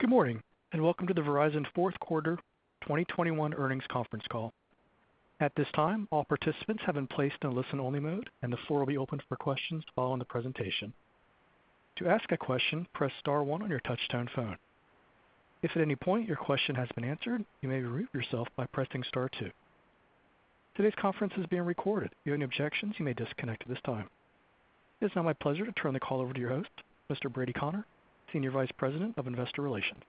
Good morning, and welcome to the Verizon Q4 2021 earnings conference call. At this time, all participants have been placed in listen-only mode, and the floor will be open for questions following the presentation. To ask a question, press star one on your touch-tone phone. If at any point your question has been answered, you may remove yourself by pressing star two. Today's conference is being recorded. If you have any objections, you may disconnect at this time. It's now my pleasure to turn the call over to your host, Mr. Brady Connor, Senior Vice President of Investor Relations.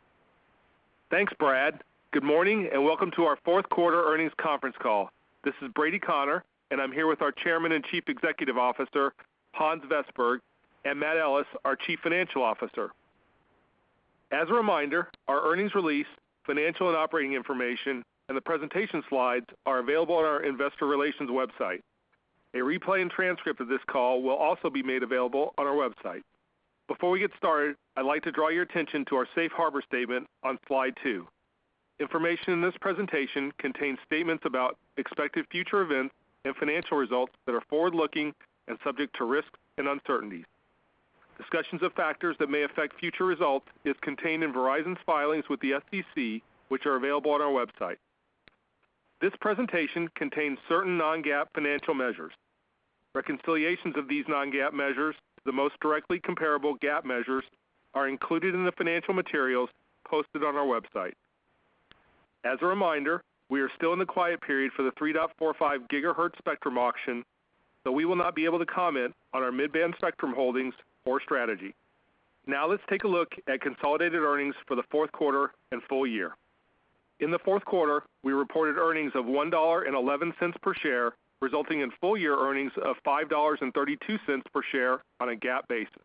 Thanks, Brad. Good morning, and welcome to our Q4 earnings conference call. This is Brady Connor, and I'm here with our Chairman and Chief Executive Officer, Hans Vestberg, and Matt Ellis, our Chief Financial Officer. As a reminder, our earnings release, financial and operating information, and the presentation slides are available on our investor relations website. A replay and transcript of this call will also be made available on our website. Before we get started, I'd like to draw your attention to our safe harbor statement on slide two. Information in this presentation contains statements about expected future events and financial results that are forward-looking and subject to risks and uncertainties. Discussions of factors that may affect future results is contained in Verizon's filings with the SEC, which are available on our website. This presentation contains certain non-GAAP financial measures. Reconciliations of these non-GAAP measures to the most directly comparable GAAP measures are included in the financial materials posted on our website. As a reminder, we are still in the quiet period for the 3.45 gigahertz spectrum auction, so we will not be able to comment on our mid-band spectrum holdings or strategy. Now let's take a look at consolidated earnings for the Q4 and full year. In the Q4, we reported earnings of $1.11 per share, resulting in full year earnings of $5.32 per share on a GAAP basis.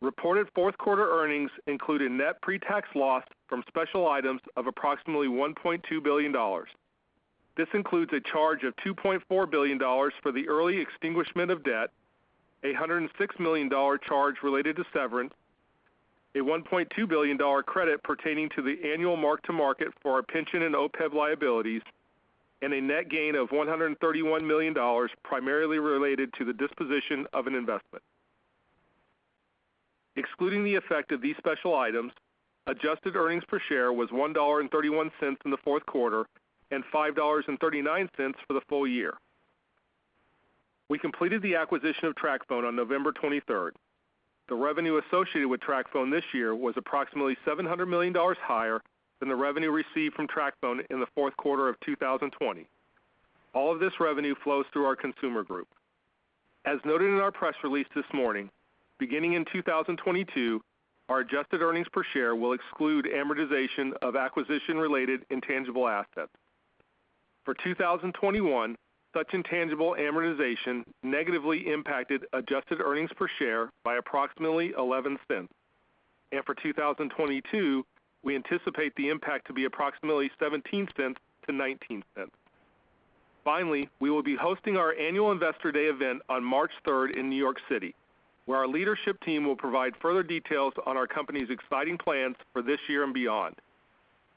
Reported Q4 earnings include a net pre-tax loss from special items of approximately $1.2 billion. This includes a charge of $2.4 billion for the early extinguishment of debt, a $106 million charge related to severance, a $1.2 billion credit pertaining to the annual mark-to-market for our pension and OPEB liabilities, and a net gain of $131 million, primarily related to the disposition of an investment. Excluding the effect of these special items, adjusted earnings per share was $1.31 in the Q4 and $5.39 for the full year. We completed the acquisition of TracFone on November 23. The revenue associated with TracFone this year was approximately $700 million higher than the revenue received from TracFone in the Q4 of 2020. All of this revenue flows through our consumer group. As noted in our press release this morning, beginning in 2022, our adjusted earnings per share will exclude amortization of acquisition-related intangible assets. For 2021, such intangible amortization negatively impacted adjusted earnings per share by approximately $0.11. For 2022, we anticipate the impact to be approximately $0.17-$0.19. Finally, we will be hosting our annual Investor Day event on March 3 in New York City, where our leadership team will provide further details on our company's exciting plans for this year and beyond.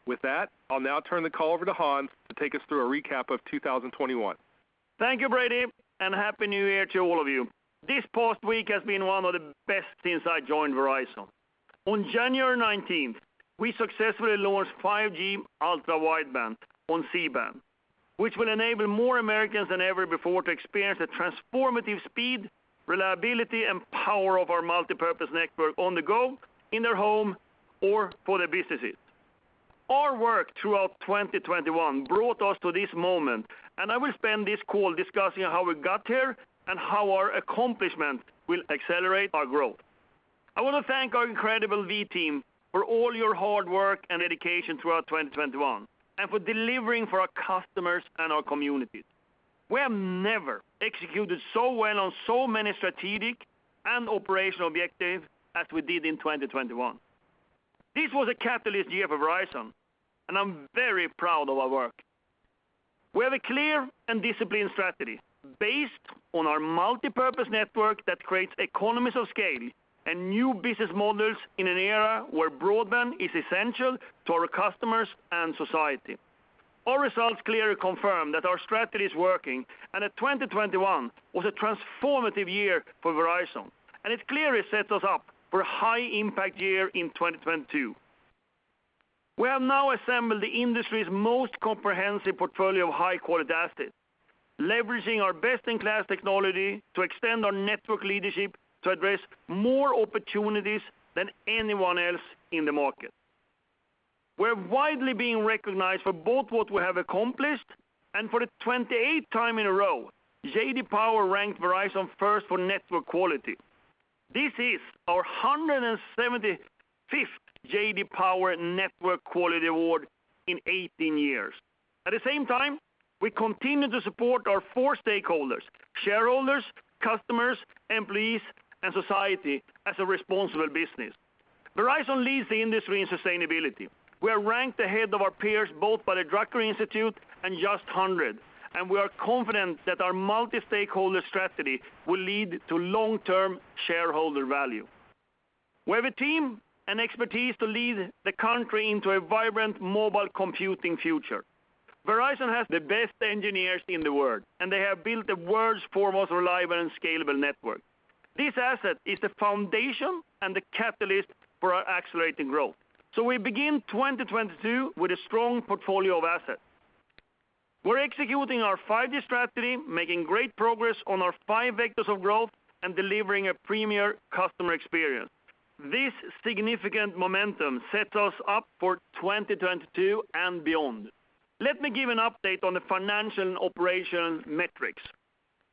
With that, I'll now turn the call over to Hans to take us through a recap of 2021. Thank you, Brady, and Happy New Year to all of you. This past week has been one of the best since I joined Verizon. On January 19, we successfully launched 5G Ultra Wideband on C-band, which will enable more Americans than ever before to experience the transformative speed, reliability, and power of our multipurpose network on the go, in their home, or for their businesses. Our work throughout 2021 brought us to this moment, and I will spend this call discussing how we got here and how our accomplishment will accelerate our growth. I wanna thank our incredible V team for all your hard work and dedication throughout 2021 and for delivering for our customers and our communities. We have never executed so well on so many strategic and operational objectives as we did in 2021. This was a catalyst year for Verizon, and I'm very proud of our work. We have a clear and disciplined strategy based on our multipurpose network that creates economies of scale and new business models in an era where broadband is essential to our customers and society. Our results clearly confirm that our strategy is working and that 2021 was a transformative year for Verizon, and it clearly sets us up for a high impact year in 2022. We have now assembled the industry's most comprehensive portfolio of high-quality assets, leveraging our best-in-class technology to extend our network leadership to address more opportunities than anyone else in the market. We're widely being recognized for both what we have accomplished and for the 28th time in a row, J.D. Power ranked Verizon first for network quality. This is our 175th J.D. Power Network Quality Award in 18 years. At the same time, we continue to support our 4 stakeholders, shareholders, customers, employees, and society as a responsible business. Verizon leads the industry in sustainability. We are ranked ahead of our peers, both by the Drucker Institute and JUST 100, and we are confident that our multi-stakeholder strategy will lead to long-term shareholder value. We have a team and expertise to lead the country into a vibrant mobile computing future. Verizon has the best engineers in the world, and they have built the world's foremost reliable and scalable network. This asset is the foundation and the catalyst for our accelerating growth. We begin 2022 with a strong portfolio of assets. We're executing our 5G strategy, making great progress on our 5 vectors of growth, and delivering a premier customer experience. This significant momentum sets us up for 2022 and beyond. Let me give an update on the financial operations metrics.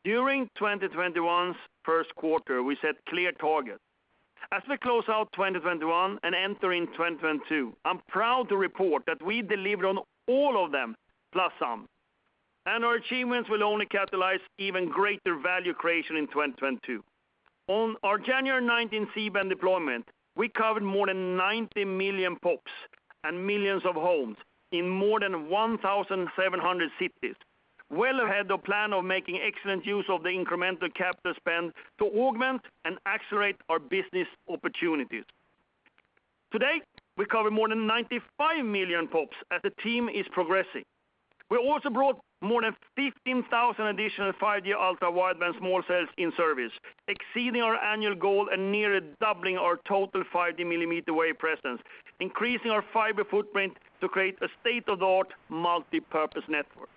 During 2021's Q1, we set clear targets. As we close out 2021 and enter in 2022, I'm proud to report that we delivered on all of them, plus some. Our achievements will only catalyze even greater value creation in 2022. On our January 19 C-band deployment, we covered more than 90 million POPs and millions of homes in more than 1,700 cities. Well ahead of plan of making excellent use of the incremental capital spend to augment and accelerate our business opportunities. Today, we cover more than 95 million POPs as the team is progressing. We also brought more than 15,000 additional 5G Ultra Wideband small cells in service, exceeding our annual goal and nearly doubling our total 5G millimeter wave presence, increasing our fiber footprint to create a state-of-the-art multipurpose network.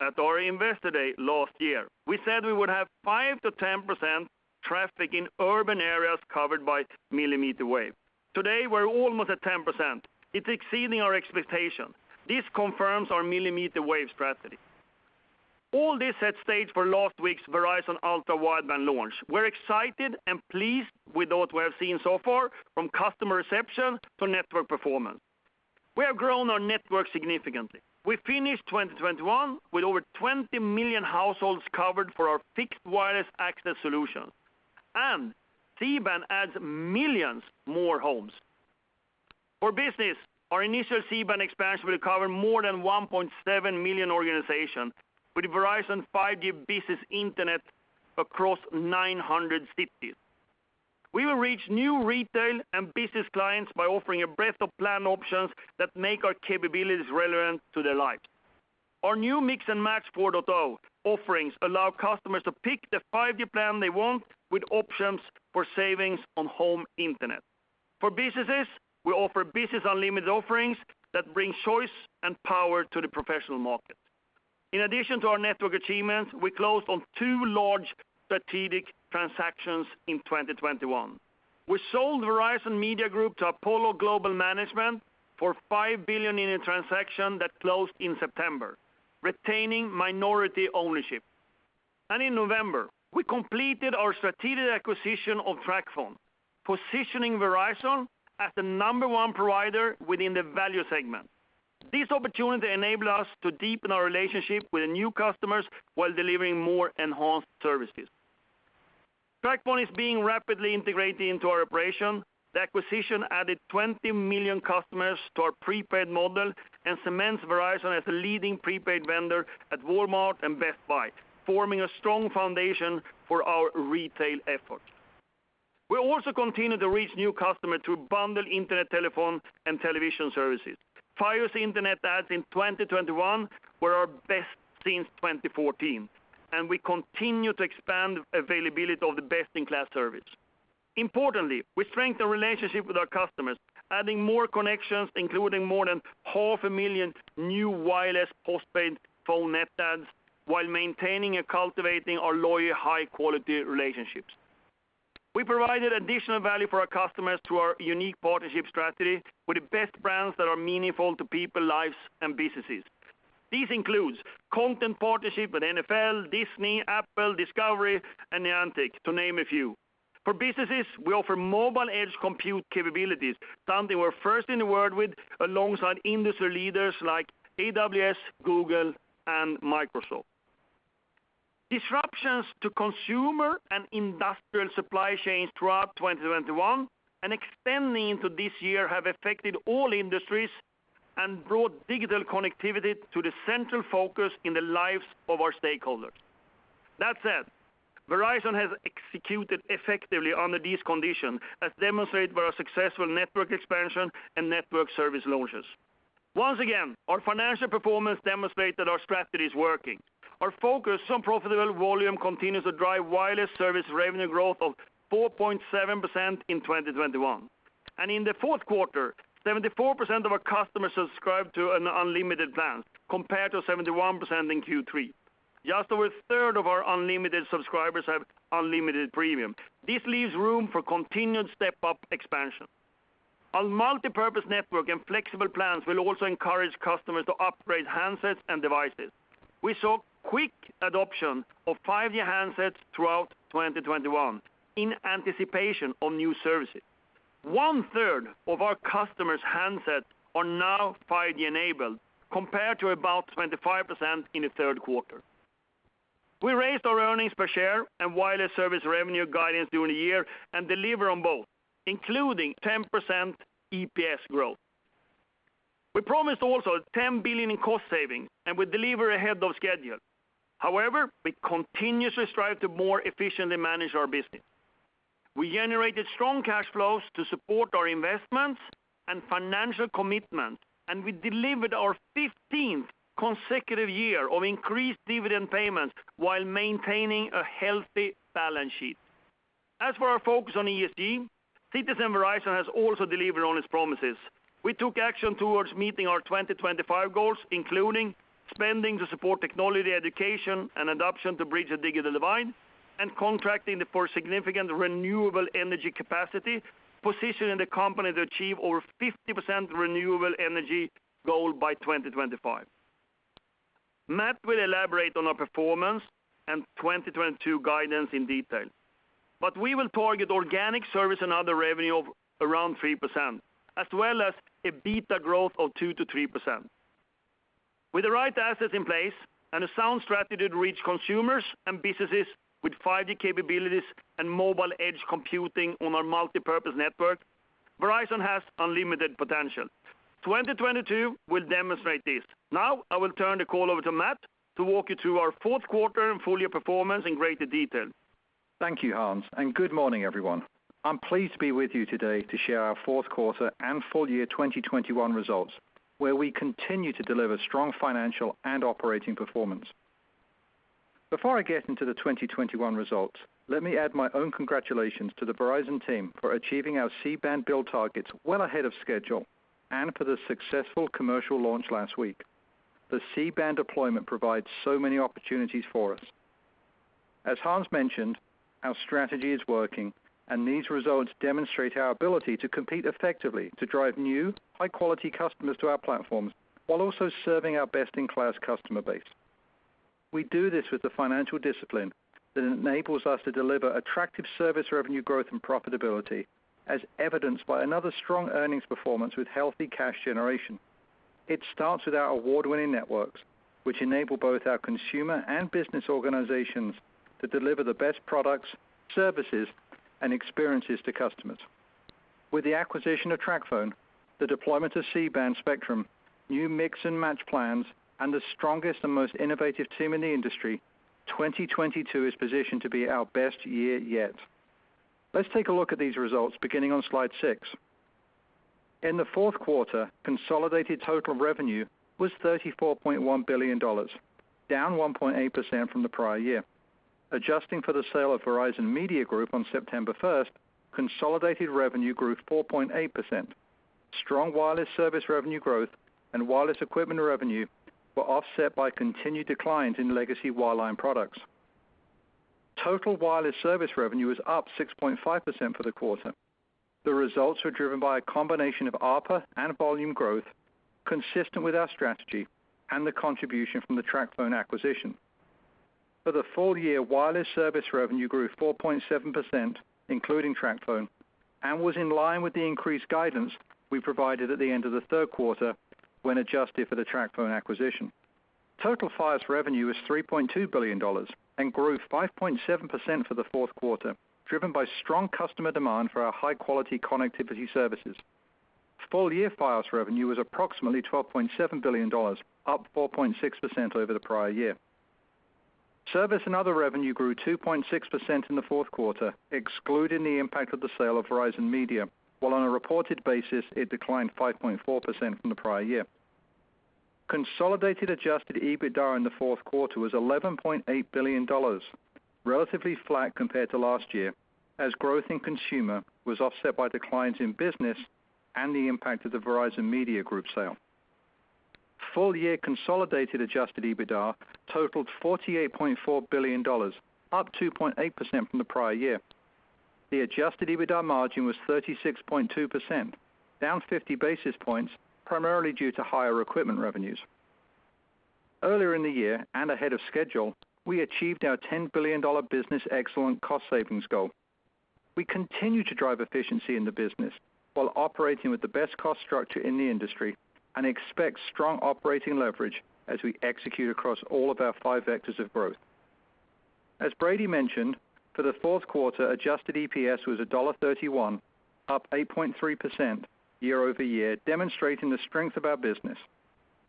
At our Investor Day last year, we said we would have 5%-10% traffic in urban areas covered by millimeter wave. Today, we are almost at 10%. It's exceeding our expectation. This confirms our millimeter wave strategy. All this sets the stage for last week's Verizon Ultra Wideband launch. We're excited and pleased with what we have seen so far from customer reception to network performance. We have grown our network significantly. We finished 2021 with over 20 million households covered for our fixed wireless access solution, and C-band adds millions more homes. For business, our initial C-band expansion will cover more than 1.7 million organizations with Verizon 5G Business Internet across 900 cities. We will reach new retail and business clients by offering a breadth of plan options that make our capabilities relevant to their lives. Our new Mix and Match 4.0 offerings allow customers to pick the 5G plan they want with options for savings on home internet. For businesses, we offer business unlimited offerings that bring choice and power to the professional market. In addition to our network achievements, we closed on two large strategic transactions in 2021. We sold Verizon Media to Apollo Global Management for $5 billion in a transaction that closed in September, retaining minority ownership. In November, we completed our strategic acquisition of TracFone, positioning Verizon as the number one provider within the value segment. This opportunity enabled us to deepen our relationship with new customers while delivering more enhanced services. TracFone is being rapidly integrated into our operation. The acquisition added 20 million customers to our prepaid model and cements Verizon as a leading prepaid vendor at Walmart and Best Buy, forming a strong foundation for our retail efforts. We also continue to reach new customers through bundled internet, telephone, and television services. Fios Internet adds in 2021 were our best since 2014, and we continue to expand availability of the best-in-class service. Importantly, we strengthened the relationship with our customers, adding more connections, including more than 500,000 new wireless postpaid phone net adds, while maintaining and cultivating our loyal, high-quality relationships. We provided additional value for our customers through our unique partnership strategy with the best brands that are meaningful to people, lives, and businesses. This includes content partnership with NFL, Disney, Apple, Discovery, and Niantic, to name a few. For businesses, we offer mobile edge compute capabilities, something we're first in the world with, alongside industry leaders like AWS, Google, and Microsoft. Disruptions to consumer and industrial supply chains throughout 2021 and extending into this year have affected all industries and brought digital connectivity to the central focus in the lives of our stakeholders. That said, Verizon has executed effectively under these conditions, as demonstrated by our successful network expansion and network service launches. Once again, our financial performance demonstrated our strategy is working. Our focus on profitable volume continues to drive wireless service revenue growth of 4.7% in 2021. In the Q4, 74% of our customers subscribed to an unlimited plan, compared to 71% in Q3. Just over a third of our unlimited subscribers have unlimited premium. This leaves room for continued step-up expansion. Our multipurpose network and flexible plans will also encourage customers to upgrade handsets and devices. We saw quick adoption of 5G handsets throughout 2021 in anticipation of new services. One-third of our customers' handsets are now 5G enabled, compared to about 25% in the Q3. We raised our earnings per share and wireless service revenue guidance during the year and delivered on both, including 10% EPS growth. We promised also $10 billion in cost savings, and we delivered ahead of schedule. However, we continuously strive to more efficiently manage our business. We generated strong cash flows to support our investments and financial commitment, and we delivered our 15th consecutive year of increased dividend payments while maintaining a healthy balance sheet. As for our focus on ESG, Citizen Verizon has also delivered on its promises. We took action towards meeting our 2025 goals, including spending to support technology education and adoption to bridge the digital divide, and contracting for significant renewable energy capacity, positioning the company to achieve over 50% renewable energy goal by 2025. Matt will elaborate on our performance and 2022 guidance in detail, but we will target organic service and other revenue of around 3%, as well as EBITDA growth of 2%-3%. With the right assets in place and a sound strategy to reach consumers and businesses with 5G capabilities and mobile edge computing on our multipurpose network, Verizon has unlimited potential. 2022 will demonstrate this. Now I will turn the call over to Matt to walk you through our Q4 and full year performance in greater detail. Thank you, Hans, and good morning, everyone. I'm pleased to be with you today to share our Q4 and full year 2021 results, where we continue to deliver strong financial and operating performance. Before I get into the 2021 results, let me add my own congratulations to the Verizon team for achieving our C-band build targets well ahead of schedule and for the successful commercial launch last week. The C-band deployment provides so many opportunities for us. As Hans mentioned, our strategy is working, and these results demonstrate our ability to compete effectively to drive new, high-quality customers to our platforms, while also serving our best-in-class customer base. We do this with the financial discipline that enables us to deliver attractive service revenue growth and profitability, as evidenced by another strong earnings performance with healthy cash generation. It starts with our award-winning networks, which enable both our consumer and business organizations to deliver the best products, services, and experiences to customers. With the acquisition of TracFone, the deployment of C-band spectrum, new Mix and Match plans, and the strongest and most innovative team in the industry, 2022 is positioned to be our best year yet. Let's take a look at these results, beginning on slide 6. In the Q1, consolidated total revenue was $34.1 billion, down 1.8% from the prior year. Adjusting for the sale of Verizon Media on September first, consolidated revenue grew 4.8%. Strong wireless service revenue growth and wireless equipment revenue were offset by continued declines in legacy wireline products. Total wireless service revenue is up 6.5% for the quarter. The results were driven by a combination of ARPA and volume growth, consistent with our strategy and the contribution from the TracFone acquisition. For the full year, wireless service revenue grew 4.7%, including TracFone, and was in line with the increased guidance we provided at the end of the Q3 when adjusted for the TracFone acquisition. Total Fios revenue was $3.2 billion and grew 5.7% for the Q4, driven by strong customer demand for our high-quality connectivity services. Full year Fios revenue was approximately $12.7 billion, up 4.6% over the prior year. Service and other revenue grew 2.6% in the Q4, excluding the impact of the sale of Verizon Media, while on a reported basis, it declined 5.4% from the prior year. Consolidated adjusted EBITDA in the Q4 was $11.8 billion, relatively flat compared to last year, as growth in consumer was offset by declines in business and the impact of the Verizon Media sale. Full-year consolidated adjusted EBITDA totaled $48.4 billion, up 2.8% from the prior year. The adjusted EBITDA margin was 36.2%, down 50 basis points, primarily due to higher equipment revenues. Earlier in the year, and ahead of schedule, we achieved our $10 billion business excellence cost savings goal. We continue to drive efficiency in the business while operating with the best cost structure in the industry and expect strong operating leverage as we execute across all of our 5 vectors of growth. As Brady mentioned, for the Q4, adjusted EPS was $1.31, up 8.3% year-over-year, demonstrating the strength of our business.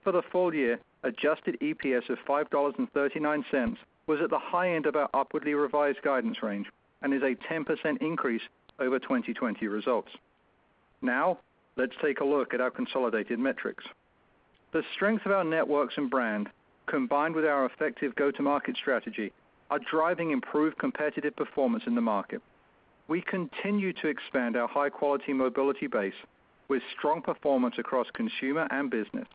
For the full year, adjusted EPS of $5.39 was at the high end of our upwardly revised guidance range and is a 10% increase over 2020 results. Now, let's take a look at our consolidated metrics. The strength of our networks and brand, combined with our effective go-to-market strategy, are driving improved competitive performance in the market. We continue to expand our high-quality mobility base with strong performance across consumer and business.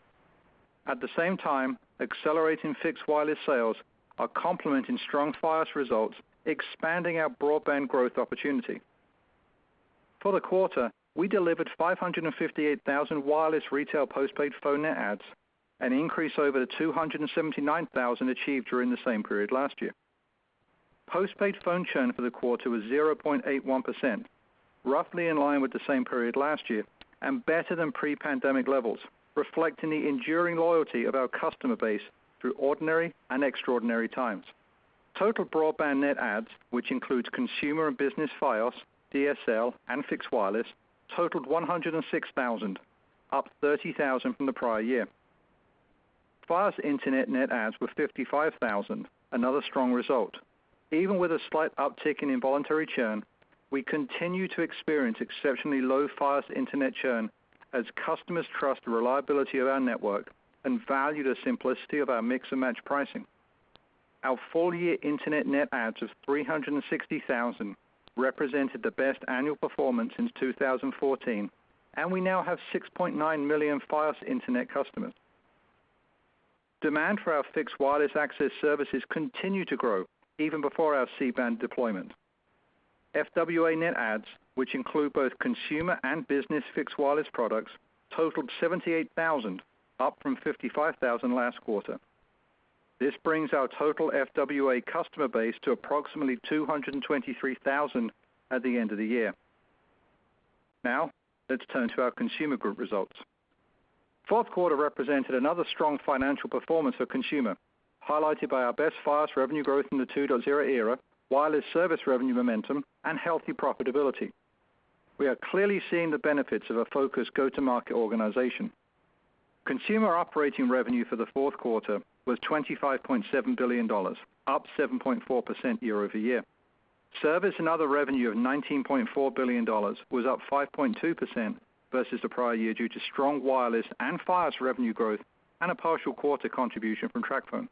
At the same time, accelerating fixed wireless sales are complementing strong Fios results, expanding our broadband growth opportunity. For the quarter, we delivered 558,000 wireless retail postpaid phone net adds, an increase over the 279,000 achieved during the same period last year. Postpaid phone churn for the quarter was 0.81%, roughly in line with the same period last year and better than pre-pandemic levels, reflecting the enduring loyalty of our customer base through ordinary and extraordinary times. Total broadband net adds, which includes consumer and business Fios, DSL, and fixed wireless, totaled 106,000, up 30,000 from the prior year. Fios internet net adds were 55,000, another strong result. Even with a slight uptick in involuntary churn, we continue to experience exceptionally low Fios internet churn as customers trust the reliability of our network and value the simplicity of our Mix and Match pricing. Our full year internet net adds of 360,000 represented the best annual performance since 2014, and we now have 6.9 million Fios internet customers. Demand for our fixed wireless access services continue to grow even before our C-band deployment. FWA net adds, which include both consumer and business fixed wireless products, totaled 78,000, up from 55,000 last quarter. This brings our total FWA customer base to approximately 223,000 at the end of the year. Now, let's turn to our consumer group results. Q4 represented another strong financial performance for consumer, highlighted by our best Fios revenue growth in the 2.0 era, wireless service revenue momentum, and healthy profitability. We are clearly seeing the benefits of a focused go-to-market organization. Consumer operating revenue for the Q4 was $25.7 billion, up 7.4% year-over-year. Service and other revenue of $19.4 billion was up 5.2% versus the prior year due to strong wireless and Fios revenue growth and a partial quarter contribution from TracFone.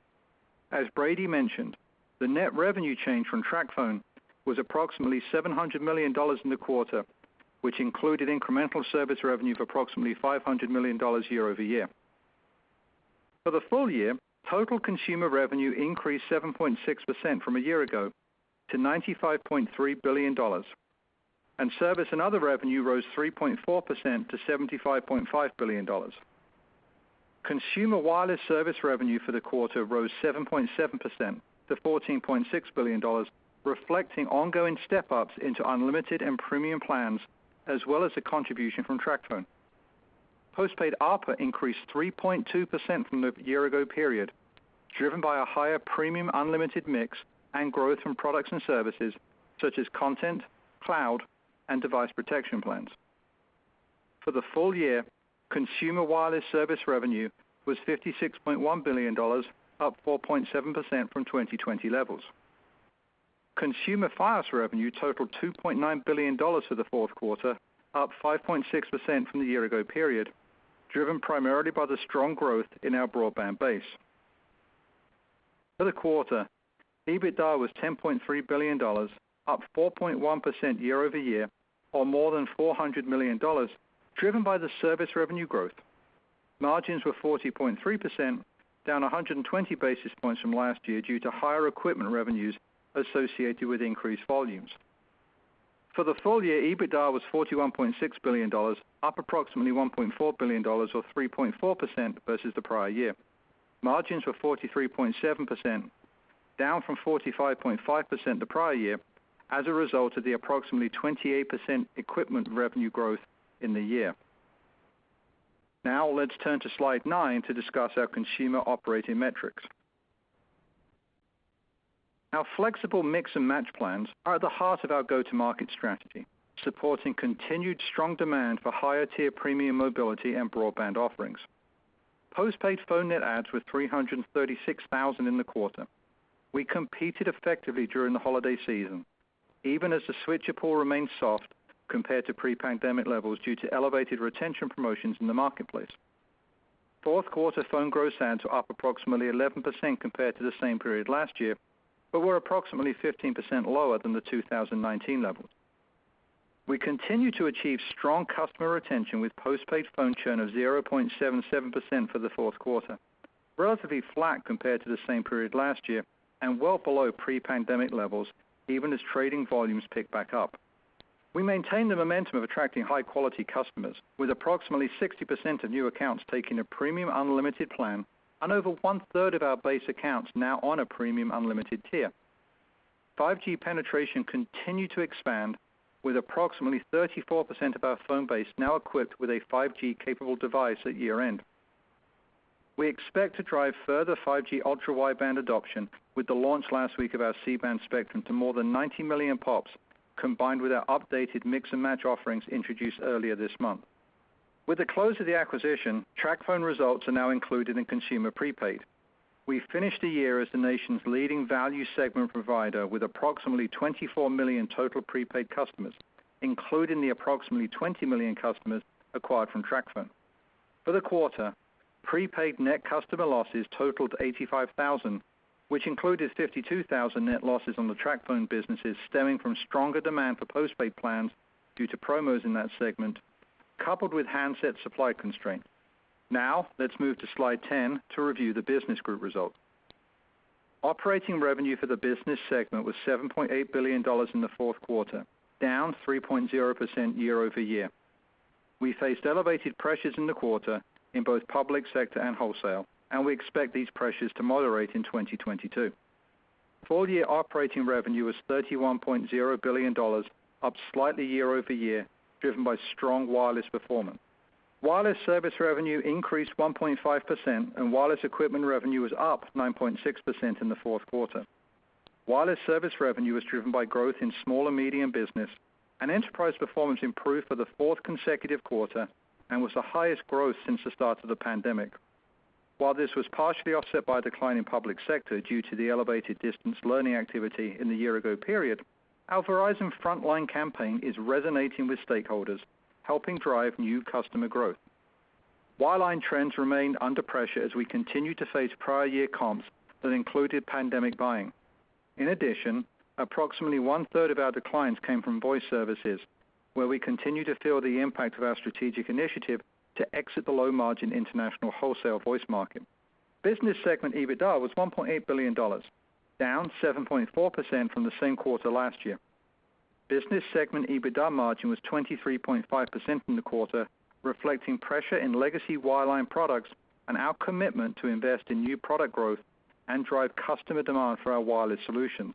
As Brady mentioned, the net revenue change from TracFone was approximately $700 million in the quarter, which included incremental service revenue of approximately $500 million year-over-year. For the full year, total consumer revenue increased 7.6% from a year ago to $95.3 billion, and service and other revenue rose 3.4% to $75.5 billion. Consumer wireless service revenue for the quarter rose 7.7% to $14.6 billion, reflecting ongoing step-ups into unlimited and premium plans as well as a contribution from TracFone. Postpaid ARPA increased 3.2% from the year ago period, driven by a higher premium unlimited mix and growth in products and services such as content, cloud, and device protection plans. For the full year, consumer wireless service revenue was $56.1 billion, up 4.7% from 2020 levels. Consumer Fios revenue totaled $2.9 billion for the Q4, up 5.6% from the year ago period, driven primarily by the strong growth in our broadband base. For the quarter, EBITDA was $10.3 billion, up 4.1% year-over-year, or more than $400 million, driven by the service revenue growth. Margins were 40.3%, down 120 basis points from last year due to higher equipment revenues associated with increased volumes. For the full year, EBITDA was $41.6 billion, up approximately $1.4 billion or 3.4% versus the prior year. Margins were 43.7%, down from 45.5% the prior year as a result of the approximately 28% equipment revenue growth in the year. Now let's turn to slide 9 to discuss our consumer operating metrics. Our flexible Mix and Match plans are at the heart of our go-to-market strategy, supporting continued strong demand for higher tier premium mobility and broadband offerings. Postpaid phone net adds were 336,000 in the quarter. We competed effectively during the holiday season, even as the switcher pool remained soft compared to pre-pandemic levels due to elevated retention promotions in the marketplace. Q4 phone gross adds were up approximately 11% compared to the same period last year, but were approximately 15% lower than the 2019 levels. We continue to achieve strong customer retention with postpaid phone churn of 0.77% for the Q4, relatively flat compared to the same period last year and well below pre-pandemic levels even as trade-in volumes pick back up. We maintain the momentum of attracting high quality customers with approximately 60% of new accounts taking a premium unlimited plan and over one-third of our base accounts now on a premium unlimited tier. 5G penetration continued to expand with approximately 34% of our phone base now equipped with a 5G capable device at year-end. We expect to drive further 5G Ultra Wideband adoption with the launch last week of our C-band spectrum to more than 90 million pops, combined with our updated Mix and Match offerings introduced earlier this month. With the close of the acquisition, TracFone results are now included in consumer prepaid. We finished the year as the nation's leading value segment provider with approximately 24 million total prepaid customers, including the approximately 20 million customers acquired from TracFone. For the quarter, prepaid net customer losses totaled 85,000, which included 52,000 net losses on the TracFone businesses stemming from stronger demand for postpaid plans due to promos in that segment, coupled with handset supply constraints. Now, let's move to slide 10 to review the business group results. Operating revenue for the business segment was $7.8 billion in the Q4, down 3.0% year-over-year. We faced elevated pressures in the quarter in both public sector and wholesale, and we expect these pressures to moderate in 2022. Full-year operating revenue was $31.0 billion, up slightly year-over-year, driven by strong wireless performance. Wireless service revenue increased 1.5%, and wireless equipment revenue was up 9.6% in the Q4. Wireless service revenue was driven by growth in small and medium business, and enterprise performance improved for the fourth consecutive quarter and was the highest growth since the start of the pandemic. While this was partially offset by a decline in public sector due to the elevated distance learning activity in the year-ago period, our Verizon Frontline campaign is resonating with stakeholders, helping drive new customer growth. Wireline trends remain under pressure as we continue to face prior year comps that included pandemic buying. In addition, approximately one-third of our declines came from voice services, where we continue to feel the impact of our strategic initiative to exit the low-margin international wholesale voice market. Business segment EBITDA was $1.8 billion, down 7.4% from the same quarter last year. Business segment EBITDA margin was 23.5% in the quarter, reflecting pressure in legacy wireline products and our commitment to invest in new product growth and drive customer demand for our wireless solutions.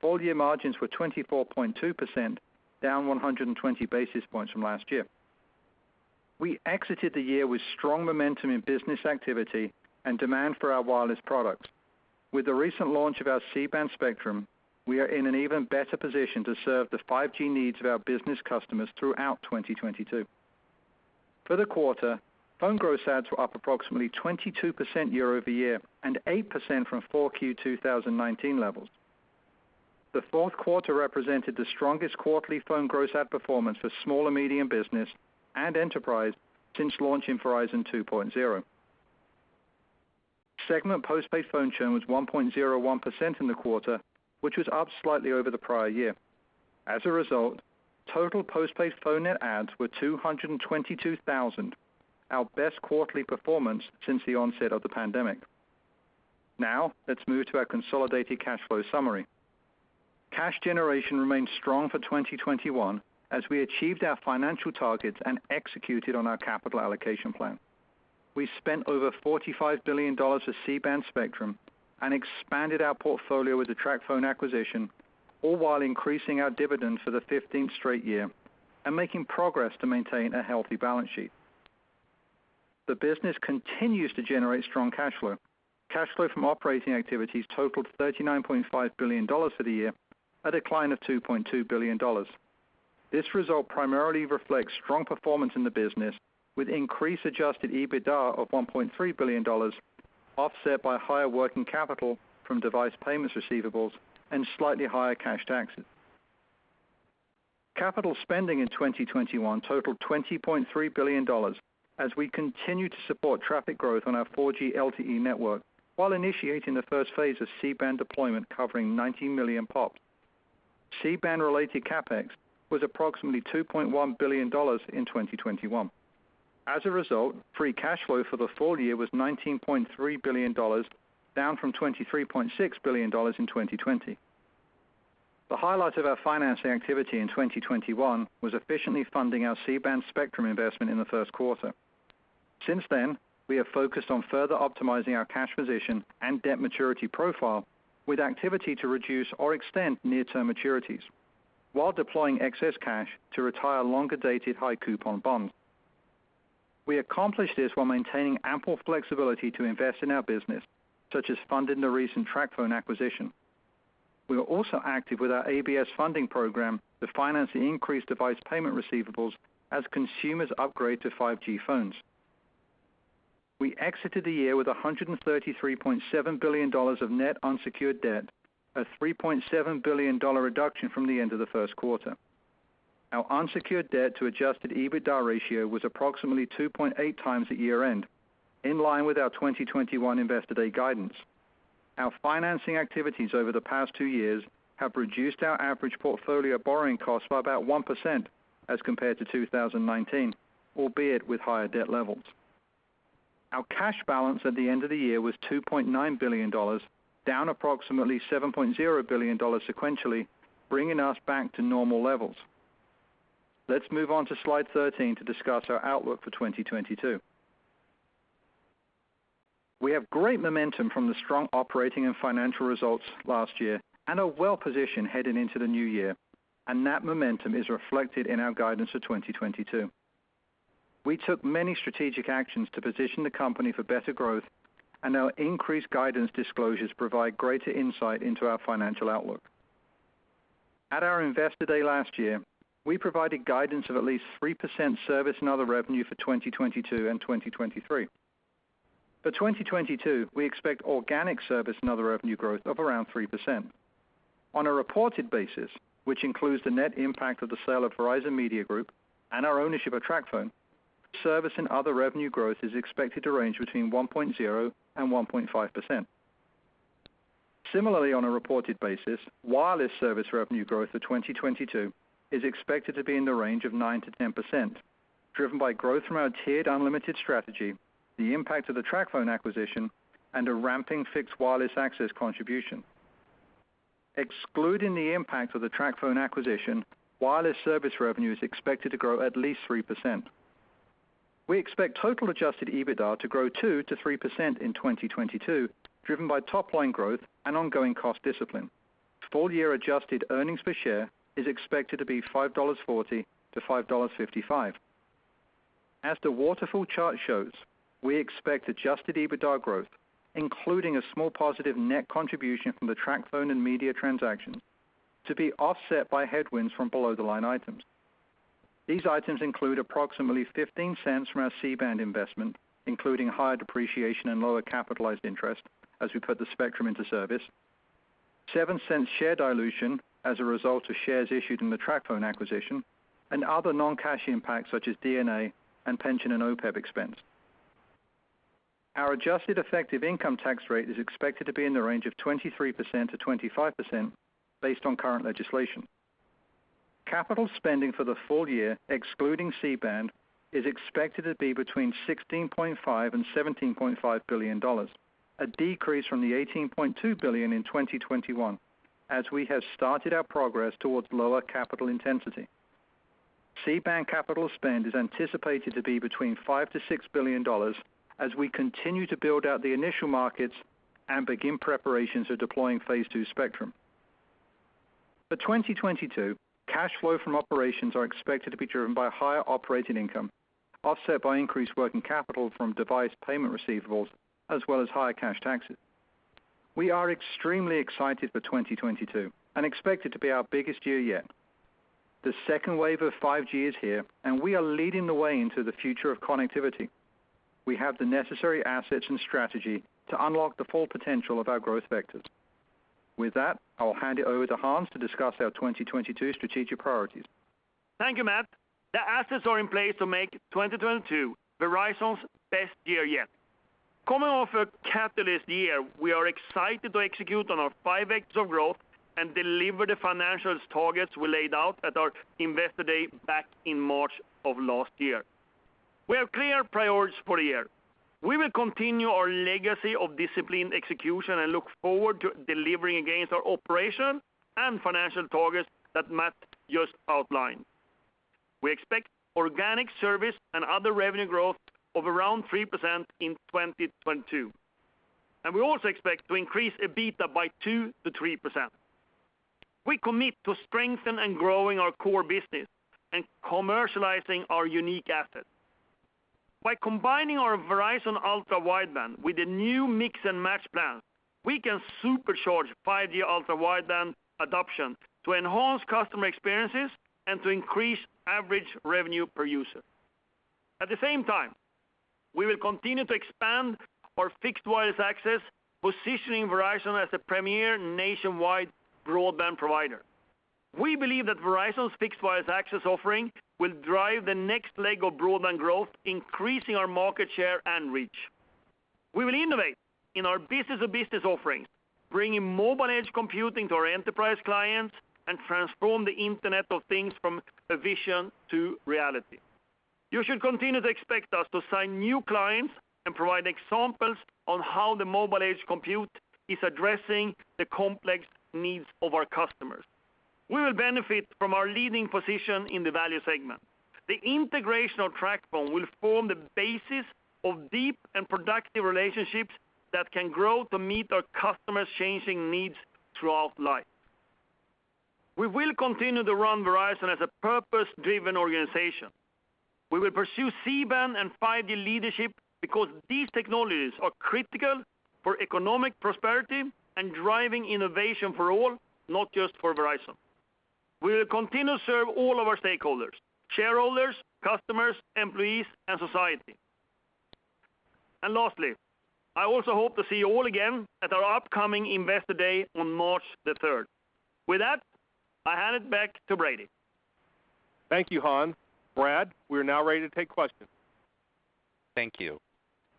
Full year margins were 24.2%, down 120 basis points from last year. We exited the year with strong momentum in business activity and demand for our wireless products. With the recent launch of our C-band spectrum, we are in an even better position to serve the 5G needs of our business customers throughout 2022. For the quarter, phone gross adds were up approximately 22% year over year and 8% from 4Q 2019 levels. The Q4 represented the strongest quarterly phone gross add performance for small and medium business and enterprise since launching Verizon 2.0. Segment postpaid phone churn was 1.01% in the quarter, which was up slightly over the prior year. As a result, total postpaid phone net adds were 222,000, our best quarterly performance since the onset of the pandemic. Now, let's move to our consolidated cash flow summary. Cash generation remained strong for 2021, as we achieved our financial targets and executed on our capital allocation plan. We spent over $45 billion of C-band spectrum and expanded our portfolio with the TracFone acquisition, all while increasing our dividend for the 15th straight year and making progress to maintain a healthy balance sheet. The business continues to generate strong cash flow. Cash flow from operating activities totaled $39.5 billion for the year, a decline of $2.2 billion. This result primarily reflects strong performance in the business with increased adjusted EBITDA of $1.3 billion, offset by higher working capital from device payments receivables, and slightly higher cash taxes. Capital spending in 2021 totaled $20.3 billion as we continue to support traffic growth on our 4G LTE network while initiating the first phase of C-band deployment covering 90 million pops. C-band related CapEx was approximately $2.1 billion in 2021. As a result, free cash flow for the full year was $19.3 billion, down from $23.6 billion in 2020. The highlight of our financing activity in 2021 was efficiently funding our C-band spectrum investment in the Q1. Since then, we have focused on further optimizing our cash position and debt maturity profile with activity to reduce or extend near-term maturities while deploying excess cash to retire longer-dated high coupon bonds. We accomplished this while maintaining ample flexibility to invest in our business, such as funding the recent TracFone acquisition. We were also active with our ABS funding program to finance the increased device payment receivables as consumers upgrade to 5G phones. We exited the year with $133.7 billion of net unsecured debt, a $3.7 billion reduction from the end of the Q1. Our unsecured debt to adjusted EBITDA ratio was approximately 2.8 times at year-end, in line with our 2021 Investor Day guidance. Our financing activities over the past two years have reduced our average portfolio borrowing costs by about 1% as compared to 2019, albeit with higher debt levels. Our cash balance at the end of the year was $2.9 billion, down approximately $7.0 billion sequentially, bringing us back to normal levels. Let's move on to slide 13 to discuss our outlook for 2022. We have great momentum from the strong operating and financial results last year and are well-positioned heading into the new year, and that momentum is reflected in our guidance for 2022. We took many strategic actions to position the company for better growth, and our increased guidance disclosures provide greater insight into our financial outlook. At our Investor Day last year, we provided guidance of at least 3% service and other revenue for 2022 and 2023. For 2022, we expect organic service and other revenue growth of around 3%. On a reported basis, which includes the net impact of the sale of Verizon Media and our ownership of TracFone, service and other revenue growth is expected to range between 1.0% and 1.5%. Similarly, on a reported basis, wireless service revenue growth for 2022 is expected to be in the range of 9%-10%, driven by growth from our tiered unlimited strategy, the impact of the TracFone acquisition, and a ramping fixed wireless access contribution. Excluding the impact of the TracFone acquisition, wireless service revenue is expected to grow at least 3%. We expect total adjusted EBITDA to grow 2%-3% in 2022, driven by top line growth and ongoing cost discipline. Full year adjusted earnings per share is expected to be $5.40-$5.55. As the waterfall chart shows, we expect adjusted EBITDA growth, including a small positive net contribution from the TracFone and Media transaction, to be offset by headwinds from below-the-line items. These items include approximately $0.15 from our C-band investment, including higher depreciation and lower capitalized interest as we put the spectrum into service, $0.07 share dilution as a result of shares issued in the TracFone acquisition, and other non-cash impacts such as D&A and pension and OPEB expense. Our adjusted effective income tax rate is expected to be in the range of 23%-25% based on current legislation. Capital spending for the full year, excluding C-band, is expected to be between $16.5 billion and $17.5 billion, a decrease from the $18.2 billion in 2021, as we have started our progress towards lower capital intensity. C-band capital spend is anticipated to be between $5 billion-$6 billion as we continue to build out the initial markets and begin preparations for deploying phase two spectrum. For 2022, cash flow from operations are expected to be driven by higher operating income, offset by increased working capital from device payment receivables as well as higher cash taxes. We are extremely excited for 2022 and expect it to be our biggest year yet. The second wave of 5G is here, and we are leading the way into the future of connectivity. We have the necessary assets and strategy to unlock the full potential of our growth vectors. With that, I will hand it over to Hans to discuss our 2022 strategic priorities. Thank you, Matt. The assets are in place to make 2022 Verizon's best year yet. Coming off a catalyst year, we are excited to execute on our five vectors of growth and deliver the financial targets we laid out at our Investor Day back in March of last year. We have clear priorities for the year. We will continue our legacy of disciplined execution and look forward to delivering against our operational and financial targets that Matt just outlined. We expect organic service and other revenue growth of around 3% in 2022, and we also expect to increase EBITDA by 2%-3%. We commit to strengthen and growing our core business and commercializing our unique assets. By combining our Verizon Ultra Wideband with the new Mix and Match plan, we can supercharge 5G Ultra Wideband adoption to enhance customer experiences and to increase average revenue per user. At the same time, we will continue to expand our fixed wireless access, positioning Verizon as a premier nationwide broadband provider. We believe that Verizon's fixed wireless access offering will drive the next leg of broadband growth, increasing our market share and reach. We will innovate in our business-to-business offerings, bringing Mobile Edge Computing to our enterprise clients and transform the Internet of Things from a vision to reality. You should continue to expect us to sign new clients and provide examples on how the Mobile Edge Computing is addressing the complex needs of our customers. We will benefit from our leading position in the value segment. The integration of TracFone will form the basis of deep and productive relationships that can grow to meet our customers' changing needs throughout life. We will continue to run Verizon as a purpose-driven organization. We will pursue C-band and 5G leadership because these technologies are critical for economic prosperity and driving innovation for all, not just for Verizon. We will continue to serve all of our stakeholders, shareholders, customers, employees, and society. Lastly, I also hope to see you all again at our upcoming Investor Day on March the third. With that, I hand it back to Brady. Thank you, Hans. Brad, we are now ready to take questions. Thank you.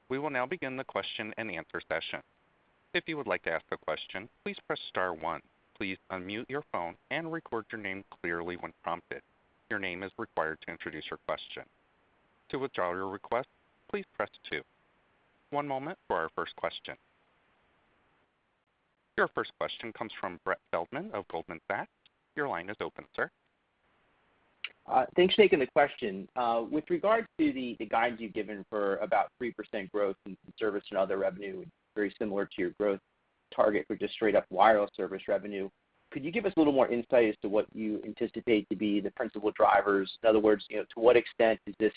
We will now begin the question and answer session. If you would like to ask a question, please press star one. Please unmute your phone and record your name clearly when prompted. Your name is required to introduce your question. To withdraw your request, please press two. One moment for our first question. Your first question comes from Brett Feldman of Goldman Sachs. Your line is open, sir. Thanks for taking the question. With regard to the guides you've given for about 3% growth in service and other revenue, very similar to your growth target for just straight up wireless service revenue, could you give us a little more insight as to what you anticipate to be the principal drivers? In other words, you know, to what extent is this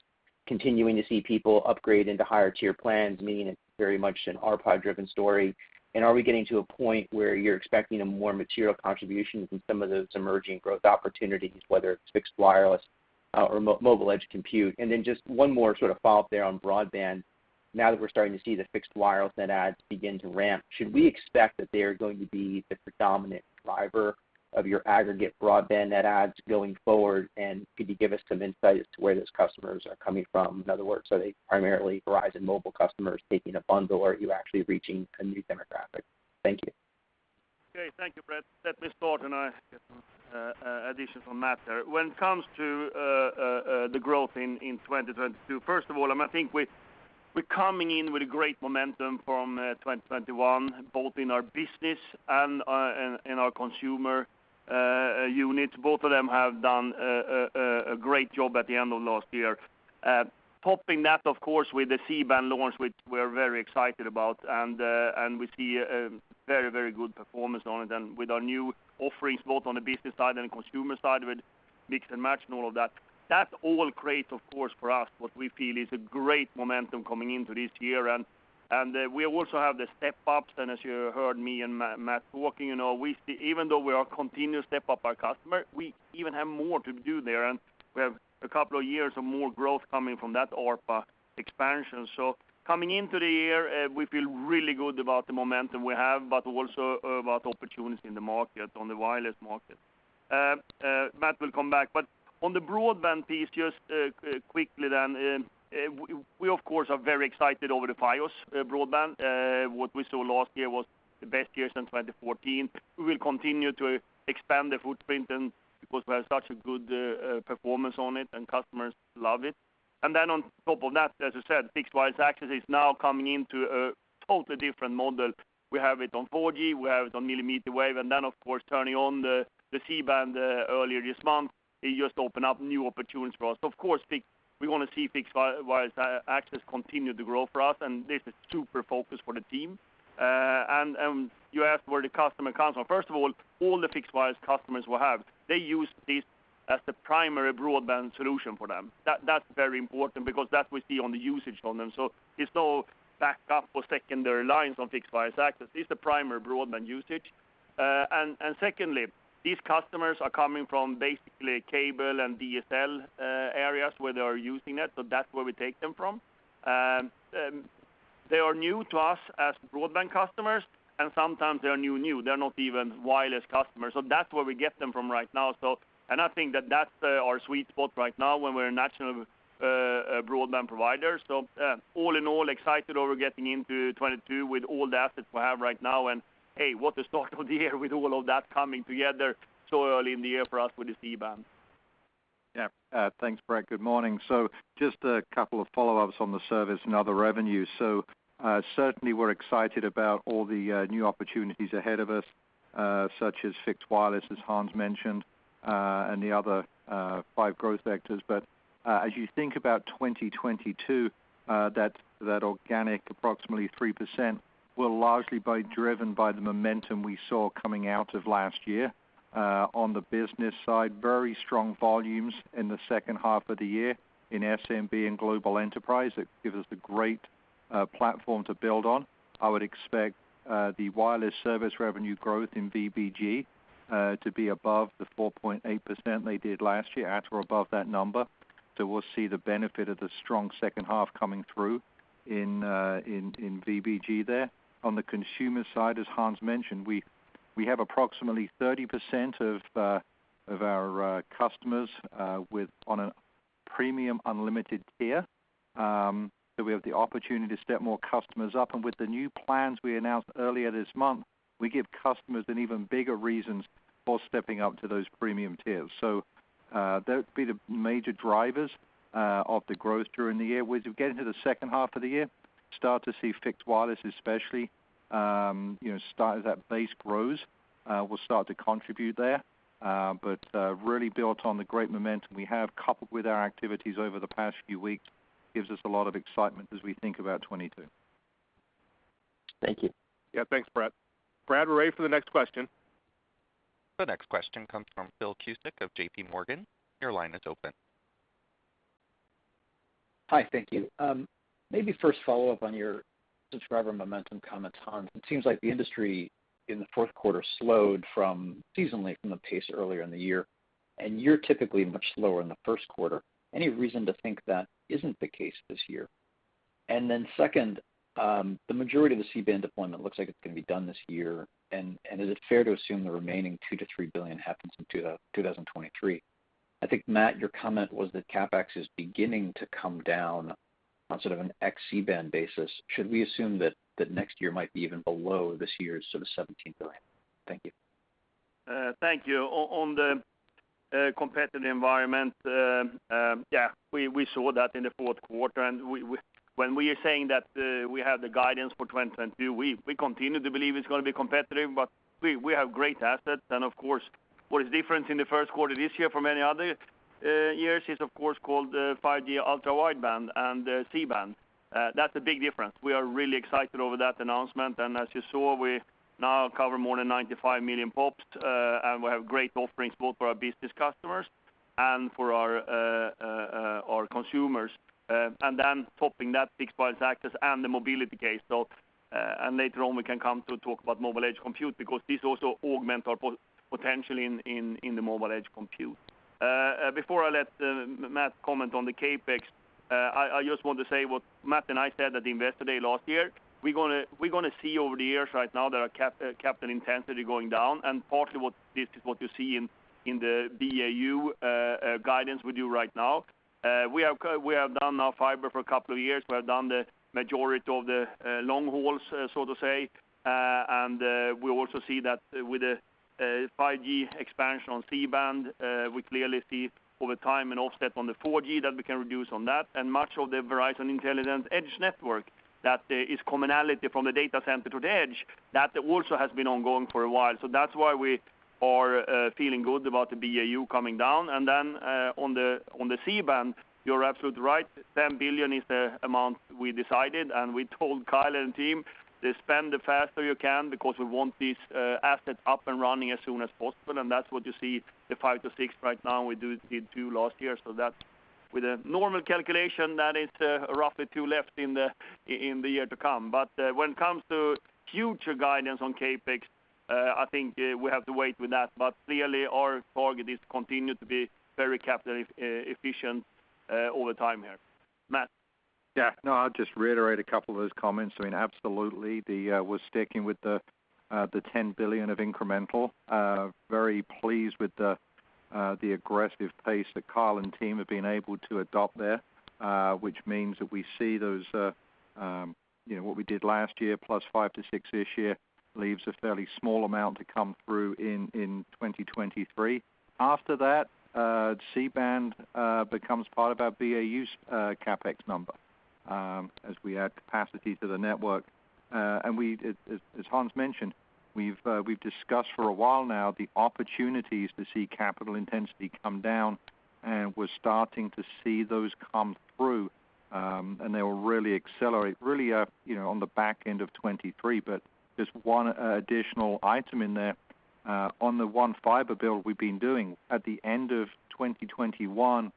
continuing to see people upgrade into higher tier plans, meaning it's very much an ARPA-driven story? And are we getting to a point where you're expecting a more material contribution from some of those emerging growth opportunities, whether it's fixed wireless or mobile edge compute? And then just one more sort of follow-up there on broadband. Now that we're starting to see the fixed wireless net adds begin to ramp, should we expect that they are going to be the predominant driver of your aggregate broadband net adds going forward? And could you give us some insight as to where those customers are coming from? In other words, are they primarily Verizon mobile customers taking a bundle, or are you actually reaching a new demographic? Thank you. Okay. Thank you, Brett. Let me start, and I get some additions from Matt there. When it comes to the growth in 2022, first of all, I think we're coming in with a great momentum from 2021, both in our business and in our consumer units. Both of them have done a great job at the end of last year. Topping that, of course, with the C-band launch, which we're very excited about, and we see a very good performance on it. With our new offerings, both on the business side and consumer side with Mix and Match and all of that. That all creates, of course, for us, what we feel is a great momentum coming into this year. We also have the step-ups. As you heard me and Matt talking, you know, even though we are continuously stepping up our customer, we even have more to do there. We have a couple of years of more growth coming from that ARPA expansion. Coming into the year, we feel really good about the momentum we have, but also about opportunities in the market, in the wireless market. Matt will come back. On the broadband piece, just quickly then, we of course are very excited over the Fios broadband. What we saw last year was the best year since 2014. We will continue to expand the footprint and because we have such a good performance on it and customers love it. Then on top of that, as I said, fixed wireless access is now coming into a totally different model. We have it on 4G, we have it on millimeter wave, and then of course turning on the C-band earlier this month, it just opened up new opportunities for us. Of course, we want to see fixed wireless access continue to grow for us, and this is super focused for the team. You asked where the customer comes from. First of all the fixed wireless customers we have, they use this as the primary broadband solution for them. That's very important because that's what we see in the usage of them. It's not a backup or secondary lines on fixed wireless access. This is the primary broadband usage. Secondly, these customers are coming from basically cable and DSL areas where they are using it, so that's where we take them from. They are new to us as broadband customers, and sometimes they are new-new. They're not even wireless customers. That's where we get them from right now. I think that that's our sweet spot right now when we're a national broadband provider. All in all, excited over getting into 2022 with all the assets we have right now. Hey, what a start to the year with all of that coming together so early in the year for us with this C-band. Yeah. Thanks, Brett. Good morning. Just a couple of follow-ups on the service and other revenues. Certainly we're excited about all the new opportunities ahead of us, such as fixed wireless, as Hans mentioned, and the other five growth vectors. As you think about 2022, that organic approximately 3% will largely be driven by the momentum we saw coming out of last year. On the business side, very strong volumes in the second half of the year in SMB and global enterprise. It gives us a great platform to build on. I would expect the wireless service revenue growth in VBG to be above the 4.8% they did last year, at or above that number, so we'll see the benefit of the strong second half coming through in VBG there. On the consumer side, as Hans mentioned, we have approximately 30% of our customers with on a premium unlimited tier, so we have the opportunity to step more customers up. With the new plans we announced earlier this month, we give customers an even bigger reasons for stepping up to those premium tiers. That would be the major drivers of the growth during the year. We get into the second half of the year, start to see fixed wireless, especially, as that base grows, will start to contribute there. Really built on the great momentum we have coupled with our activities over the past few weeks, gives us a lot of excitement as we think about 2022. Thank you. Yeah, thanks, Brett. Brad, we're ready for the next question. The next question comes from Phil Cusick of JPMorgan. Your line is open. Hi. Thank you. Maybe first follow up on your subscriber momentum comments, Hans. It seems like the industry in the Q4 slowed seasonally from the pace earlier in the year, and you're typically much slower in the Q1. Any reason to think that isn't the case this year? And then second, the majority of the C-band deployment looks like it's going to be done this year. And is it fair to assume the remaining $2 billion-$3 billion happens in 2023? I think, Matt, your comment was that CapEx is beginning to come down on sort of an ex C-band basis. Should we assume that next year might be even below this year's sort of $17 billion? Thank you. Thank you. On the competitive environment, yeah, we saw that in the Q4. When we are saying that we have the guidance for 2022, we continue to believe it's going to be competitive, but we have great assets. Of course, what is different in the Q1 this year from any other years is the 5G Ultra Wideband and the C-band. That's a big difference. We are really excited over that announcement. As you saw, we now cover more than 95 million pops, and we have great offerings both for our business customers and for our consumers, and then on top of that fixed wireless access and the mobility case. Later on, we can come to talk about mobile edge compute because this also augments our potentially in the mobile edge compute. Before I let Matt comment on the CapEx, I just want to say what Matt and I said at the Investor Day last year. We're gonna see over the years right now there are capital intensity going down. Partly what this is what you see in the BAU guidance we do right now. We have done now fiber for a couple of years. We have done the majority of the long hauls, so to say. We also see that with the 5G expansion on C-band, we clearly see over time an offset on the 4G that we can reduce on that. Much of the Verizon Intelligent Edge Network that is commonality from the data center to the edge, that also has been ongoing for a while. That's why we are feeling good about the BAU coming down. On the C-band, you're absolutely right, $10 billion is the amount we decided, and we told Kyle and team to spend it faster you can, because we want this asset up and running as soon as possible. That's what you see the 5-6 right now, and we did $2 billion last year. With a normal calculation, that is, roughly 2 left in the year to come. When it comes to future guidance on CapEx, I think we have to wait with that. Clearly our target is to continue to be very capital efficient all the time here. Matt? Yeah. No, I'll just reiterate a couple of those comments. I mean, absolutely, we're sticking with the $10 billion of incremental. Very pleased with the aggressive pace that Kyle and team have been able to adopt there, which means that we see those, you know, what we did last year, plus $5 billion-$6 billion this year, leaves a fairly small amount to come through in 2023. After that, C-band becomes part of our BAU CapEx number, as we add capacity to the network. As Hans mentioned, we've discussed for a while now the opportunities to see capital intensity come down, and we're starting to see those come through, and they will really accelerate really, you know, on the back end of 2023. There's one additional item in there, on the One Fiber build we've been doing. At the end of 2021,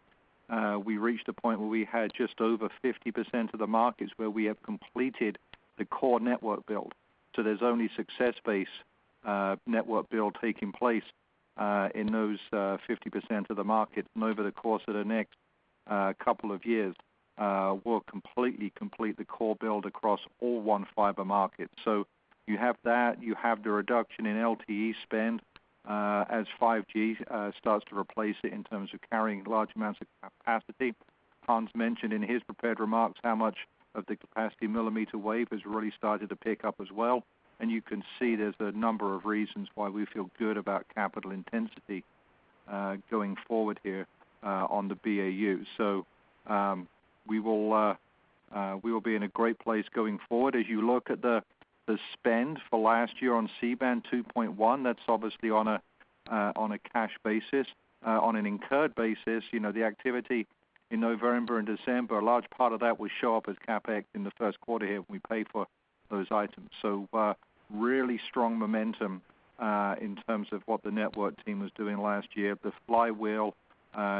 we reached a point where we had just over 50% of the markets where we have completed the core network build. There's only success-based network build taking place in those 50% of the market. Over the course of the next couple of years, we'll completely complete the core build across all One Fiber markets. You have that, you have the reduction in LTE spend as 5G starts to replace it in terms of carrying large amounts of capacity. Hans mentioned in his prepared remarks how much of the capacity millimeter wave has really started to pick up as well. You can see there's a number of reasons why we feel good about capital intensity going forward here on the BAU. We will be in a great place going forward. As you look at the spend for last year on C-band $2.1, that's obviously on a cash basis. On an incurred basis, you know, the activity in November and December, a large part of that will show up as CapEx in the Q1 here when we pay for those items. Really strong momentum in terms of what the network team was doing last year. The flywheel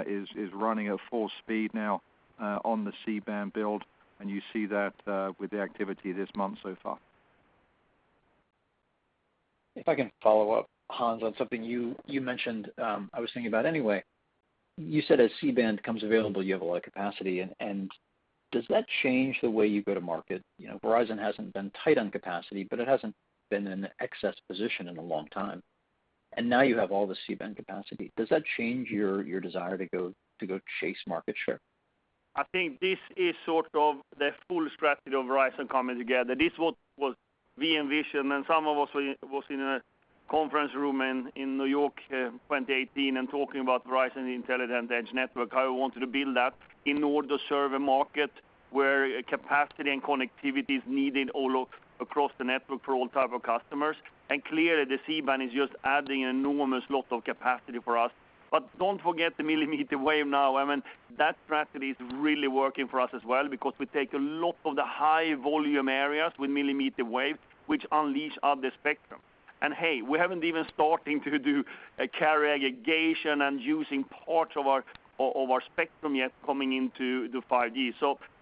is running at full speed now on the C-band build, and you see that with the activity this month so far. If I can follow up, Hans, on something you mentioned, I was thinking about anyway. You said as C-band comes available, you have a lot of capacity. Does that change the way you go to market? You know, Verizon hasn't been tight on capacity, but it hasn't been in an excess position in a long time. Now you have all the C-band capacity. Does that change your desire to go chase market share? I think this is sort of the full strategy of Verizon coming together. This is what we envisioned, and some of us were in a conference room in New York, 2018 and talking about Verizon Intelligent Edge Network, how we wanted to build that in order to serve a market where capacity and connectivity is needed all across the network for all types of customers. Clearly, the C-band is just adding an enormous lot of capacity for us. Don't forget the millimeter wave now. I mean, that strategy is really working for us as well because we take a lot of the high volume areas with millimeter wave, which unleash other spectrum. Hey, we haven't even started to do carrier aggregation and using part of our spectrum yet coming into the 5G.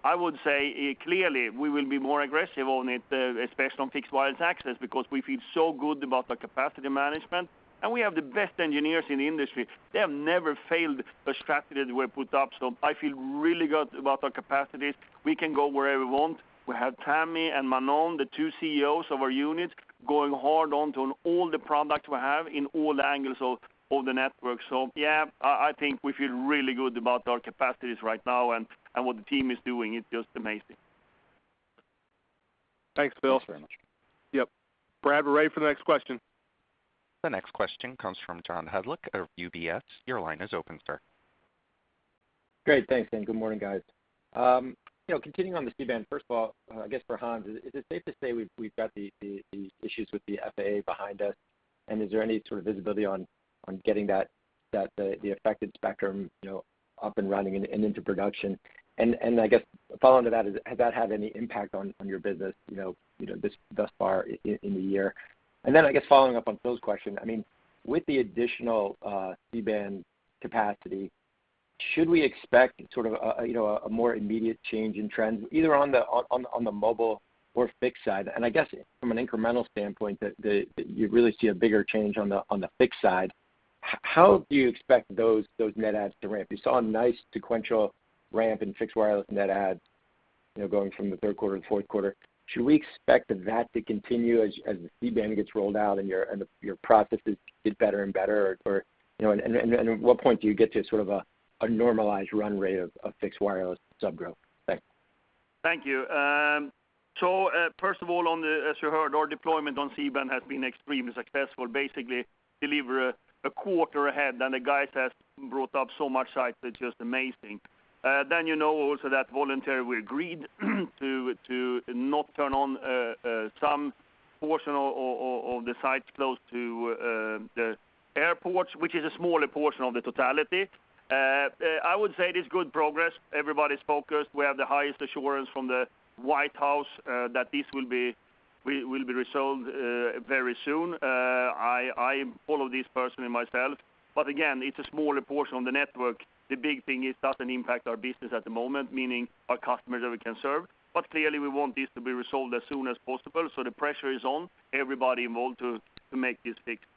I would say, clearly, we will be more aggressive on it, especially on fixed wireless access, because we feel so good about the capacity management. We have the best engineers in the industry. They have never failed a strategy that we put up, so I feel really good about our capacities. We can go wherever we want. We have Tami and Manon, the two CEOs of our units, going hard on to all the products we have in all angles of the network. Yeah, I think we feel really good about our capacities right now and what the team is doing. It's just amazing. Thanks, Phil. Thanks very much. Yep. Brad, we're ready for the next question. The next question comes from John Hodulik of UBS. Your line is open, sir. Great. Thanks, and good morning, guys. You know, continuing on the C-band, first of all, I guess for Hans, is it safe to say we've got the issues with the FAA behind us? Is there any sort of visibility on getting the affected spectrum, you know, up and running and into production? I guess following to that, has that had any impact on your business, you know, thus far in the year? Then I guess following up on Phil's question, I mean, with the additional C-band capacity, should we expect sort of a, you know, a more immediate change in trends, either on the mobile or fixed side? I guess from an incremental standpoint that you really see a bigger change on the fixed side. How do you expect those net adds to ramp? You saw a nice sequential ramp in fixed wireless net adds, you know, going from the Q3 and Q4. Should we expect that to continue as the C-band gets rolled out and your processes get better and better? Or, you know, and at what point do you get to sort of a normalized run rate of fixed wireless sub growth? Thanks. Thank you. First of all, as you heard, our deployment on C-band has been extremely successful. Basically, delivered a quarter ahead, and the guys has brought up so many sites, it's just amazing. You know also that voluntarily, we agreed to not turn on some portion of the sites close to the airports, which is a smaller portion of the totality. I would say it is good progress. Everybody's focused. We have the highest assurance from the White House that this will be resolved very soon. I follow this personally myself, but again, it's a smaller portion of the network. The big thing is it doesn't impact our business at the moment, meaning our customers that we can serve. Clearly we want this to be resolved as soon as possible, so the pressure is on everybody involved to make this fixed.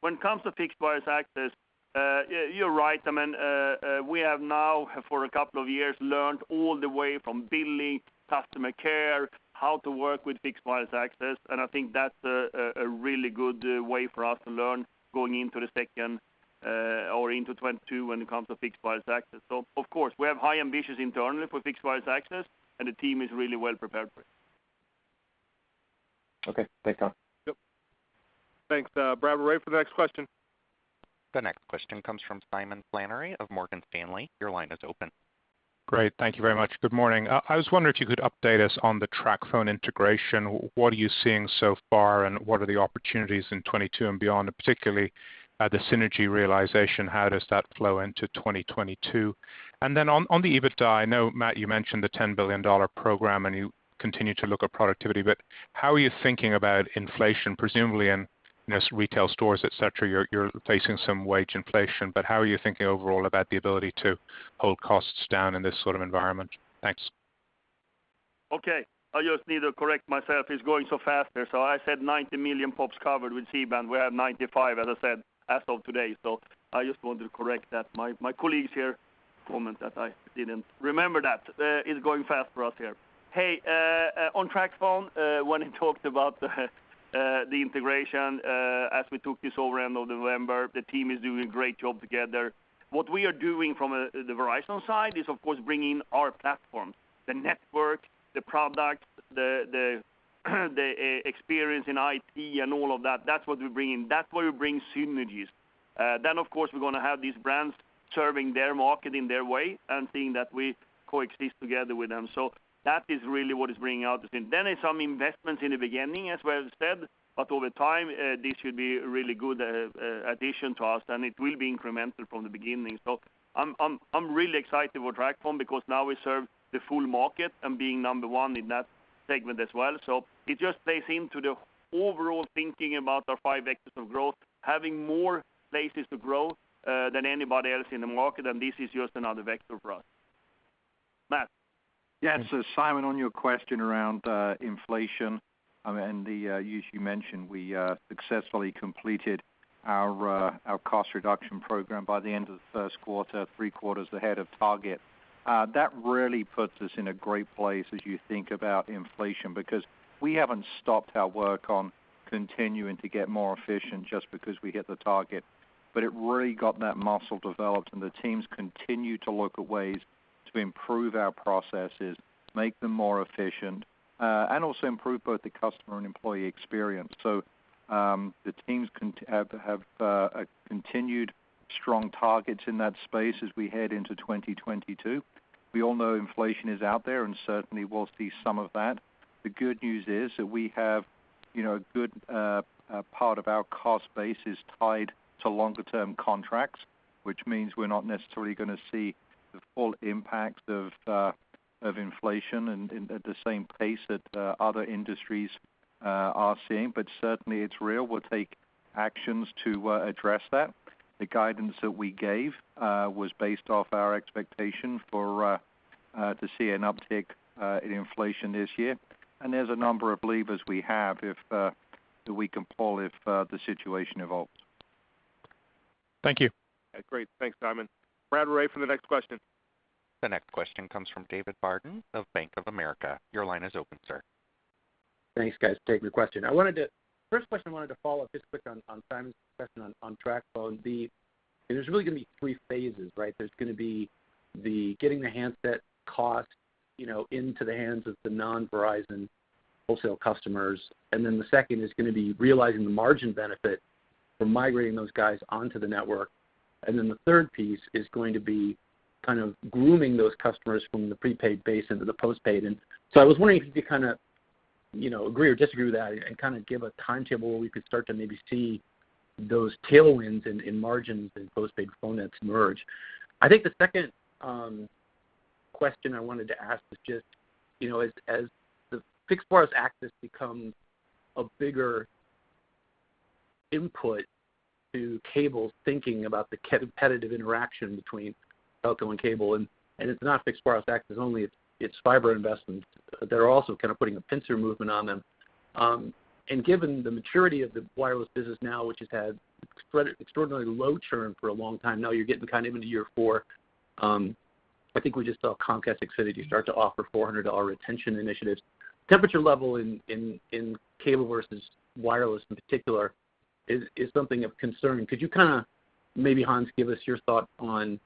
When it comes to fixed wireless access, you're right. I mean, we have now, for a couple of years, learned all the way from billing, customer care, how to work with fixed wireless access, and I think that's a really good way for us to learn going into the second, or into 2022 when it comes to fixed wireless access. Of course, we have high ambitions internally for fixed wireless access, and the team is really well prepared for it. Okay. Thanks, Hans. Yep. Thanks, operator, for the next question. The next question comes from Simon Flannery of Morgan Stanley. Your line is open. Great. Thank you very much. Good morning. I was wondering if you could update us on the TracFone integration. What are you seeing so far, and what are the opportunities in 2022 and beyond, particularly the synergy realization? How does that flow into 2022? And then on the EBITDA, I know, Matt, you mentioned the $10 billion program, and you continue to look at productivity, but how are you thinking about inflation? Presumably in, you know, retail stores, et cetera, you're facing some wage inflation, but how are you thinking overall about the ability to hold costs down in this sort of environment? Thanks. Okay. I just need to correct myself. It's going so fast here. I said 90 million pops covered with C-band. We have 95, as I said, as of today. I just wanted to correct that. My colleagues here comment that I didn't remember that. It's going fast for us here. Hey, on TracFone, when I talked about the integration, as we took this over end of November, the team is doing a great job together. What we are doing from the Verizon side is, of course, bringing our platform, the network, the product, the experience in IT and all of that. That's what we're bringing. That's where we bring synergies. Of course, we're gonna have these brands serving their market in their way and seeing that we coexist together with them. That is really what is bringing out this. There are some investments in the beginning as well instead, but over time, this should be a really good addition to us, and it will be incremental from the beginning. I'm really excited for TracFone because now we serve the full market and being number one in that segment as well. It just plays into the overall thinking about our five vectors of growth, having more places to grow than anybody else in the market, and this is just another vector for us. Matt. Yes. Simon, on your question around inflation and the use you mentioned, we successfully completed our cost reduction program by the end of the Q1, three quarters ahead of target. That really puts us in a great place as you think about inflation because we haven't stopped our work on continuing to get more efficient just because we hit the target. But it really got that muscle developed, and the teams continue to look at ways to improve our processes, make them more efficient, and also improve both the customer and employee experience. The teams have continued strong targets in that space as we head into 2022. We all know inflation is out there, and certainly we'll see some of that. The good news is that we have, you know, a good part of our cost base is tied to longer term contracts, which means we're not necessarily gonna see the full impact of inflation at the same pace that other industries are seeing, but certainly it's real. We'll take actions to address that. The guidance that we gave was based off our expectation for to see an uptick in inflation this year. There's a number of levers we have if that we can pull if the situation evolves. Thank you. Great. Thanks, Simon. Operator, for the next question. The next question comes from David Barden of Bank of America. Your line is open, sir. Thanks, guys. Thanks for the question. I wanted to follow up just quick on Simon's question on TracFone. There's really gonna be three phases, right? There's gonna be the getting the handset cost, you know, into the hands of the non-Verizon wholesale customers, and then the second is gonna be realizing the margin benefit from migrating those guys onto the network. Then the third piece is going to be kind of grooming those customers from the prepaid base into the postpaid. I was wondering if you could kind of, you know, agree or disagree with that and kind of give a timetable where we could start to maybe see those tailwinds in margins as postpaid phone nets merge. I think the second question I wanted to ask is just, you know, as the fixed wireless access becomes a bigger input to cable thinking about the competitive interaction between telco and cable, and it's not fixed wireless access only, it's fiber investments. They're also kind of putting a pincer movement on them. Given the maturity of the wireless business now, which has had extraordinarily low churn for a long time, now you're getting kind of into year 4, I think we just saw Comcast excited to start to offer $400 retention initiatives. The temperature level in cable versus wireless in particular is something of concern. Could you kinda, maybe Hans, give us your thought on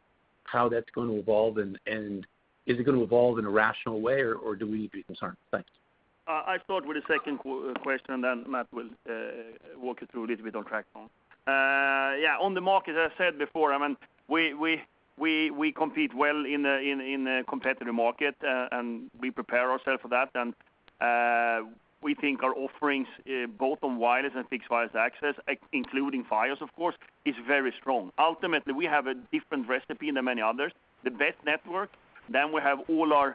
how that's going to evolve and is it gonna evolve in a rational way or do we need to be concerned? Thanks. I start with the second question, and then Matt will walk you through a little bit on TracFone. Yeah, on the market, as I said before, I mean, we compete well in a competitive market, and we prepare ourselves for that. We think our offerings both on wireless and fixed wireless access, including Fios of course, is very strong. Ultimately, we have a different recipe than many others, the best network, then we have all our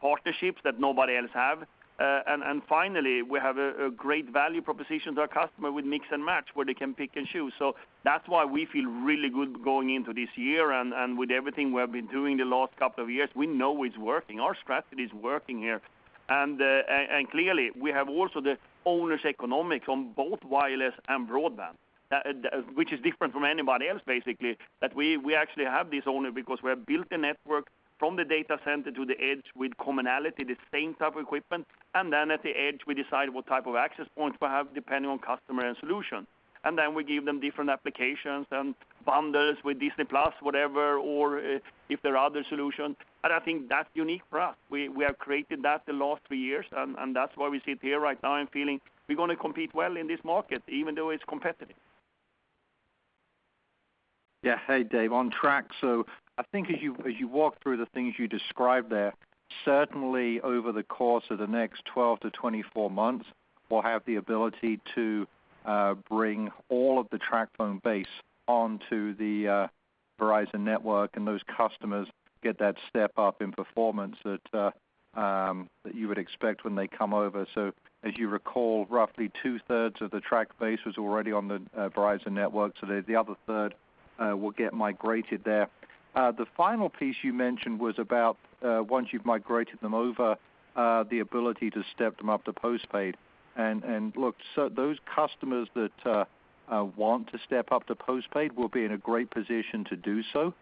partnerships that nobody else have. And finally, we have a great value proposition to our customer with Mix and Match, where they can pick and choose. That's why we feel really good going into this year, and with everything we have been doing the last couple of years, we know it's working. Our strategy is working here. Clearly, we have also the own economics on both wireless and broadband. Which is different from anybody else, basically, that we actually have this only because we have built a network from the data center to the edge with commonality, the same type of equipment. Then at the edge, we decide what type of access points we have, depending on customer and solution. Then we give them different applications and bundles with Disney+, whatever, or if there are other solutions. I think that's unique for us. We have created that the last three years, and that's why we sit here right now and feeling we're gonna compete well in this market, even though it's competitive. Hey, David. On TracFone. I think as you walk through the things you described there, certainly over the course of the next 12-24 months, we'll have the ability to bring all of the TracFone base onto the Verizon network, and those customers get that step up in performance that you would expect when they come over. As you recall, roughly two-thirds of the TracFone base was already on the Verizon network, so the other third will get migrated there. The final piece you mentioned was about, once you've migrated them over, the ability to step them up to postpaid. Look, those customers that want to step up to postpaid will be in a great position to do so,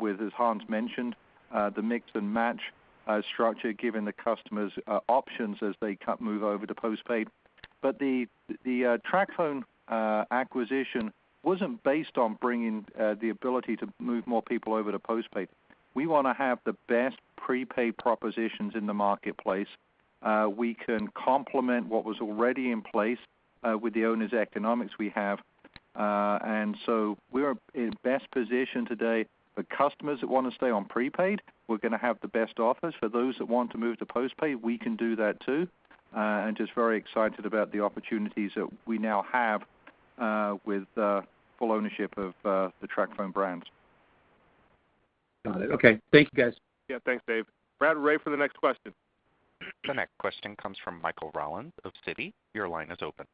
with, as Hans mentioned, the Mix and Match structure, giving the customers options as they move over to postpaid. The TracFone acquisition wasn't based on bringing the ability to move more people over to postpaid. We wanna have the best prepaid propositions in the marketplace. We can complement what was already in place, with the our own economics we have. We are in the best position today for customers that wanna stay on prepaid, we're gonna have the best offers. For those that want to move to postpaid, we can do that too. Just very excited about the opportunities that we now have with full ownership of the TracFone brand. Got it. Okay. Thank you, guys. Yeah. Thanks, Dave. Brad, ready for the next question. The next question comes from Michael Rollins of Citi. Your line is open.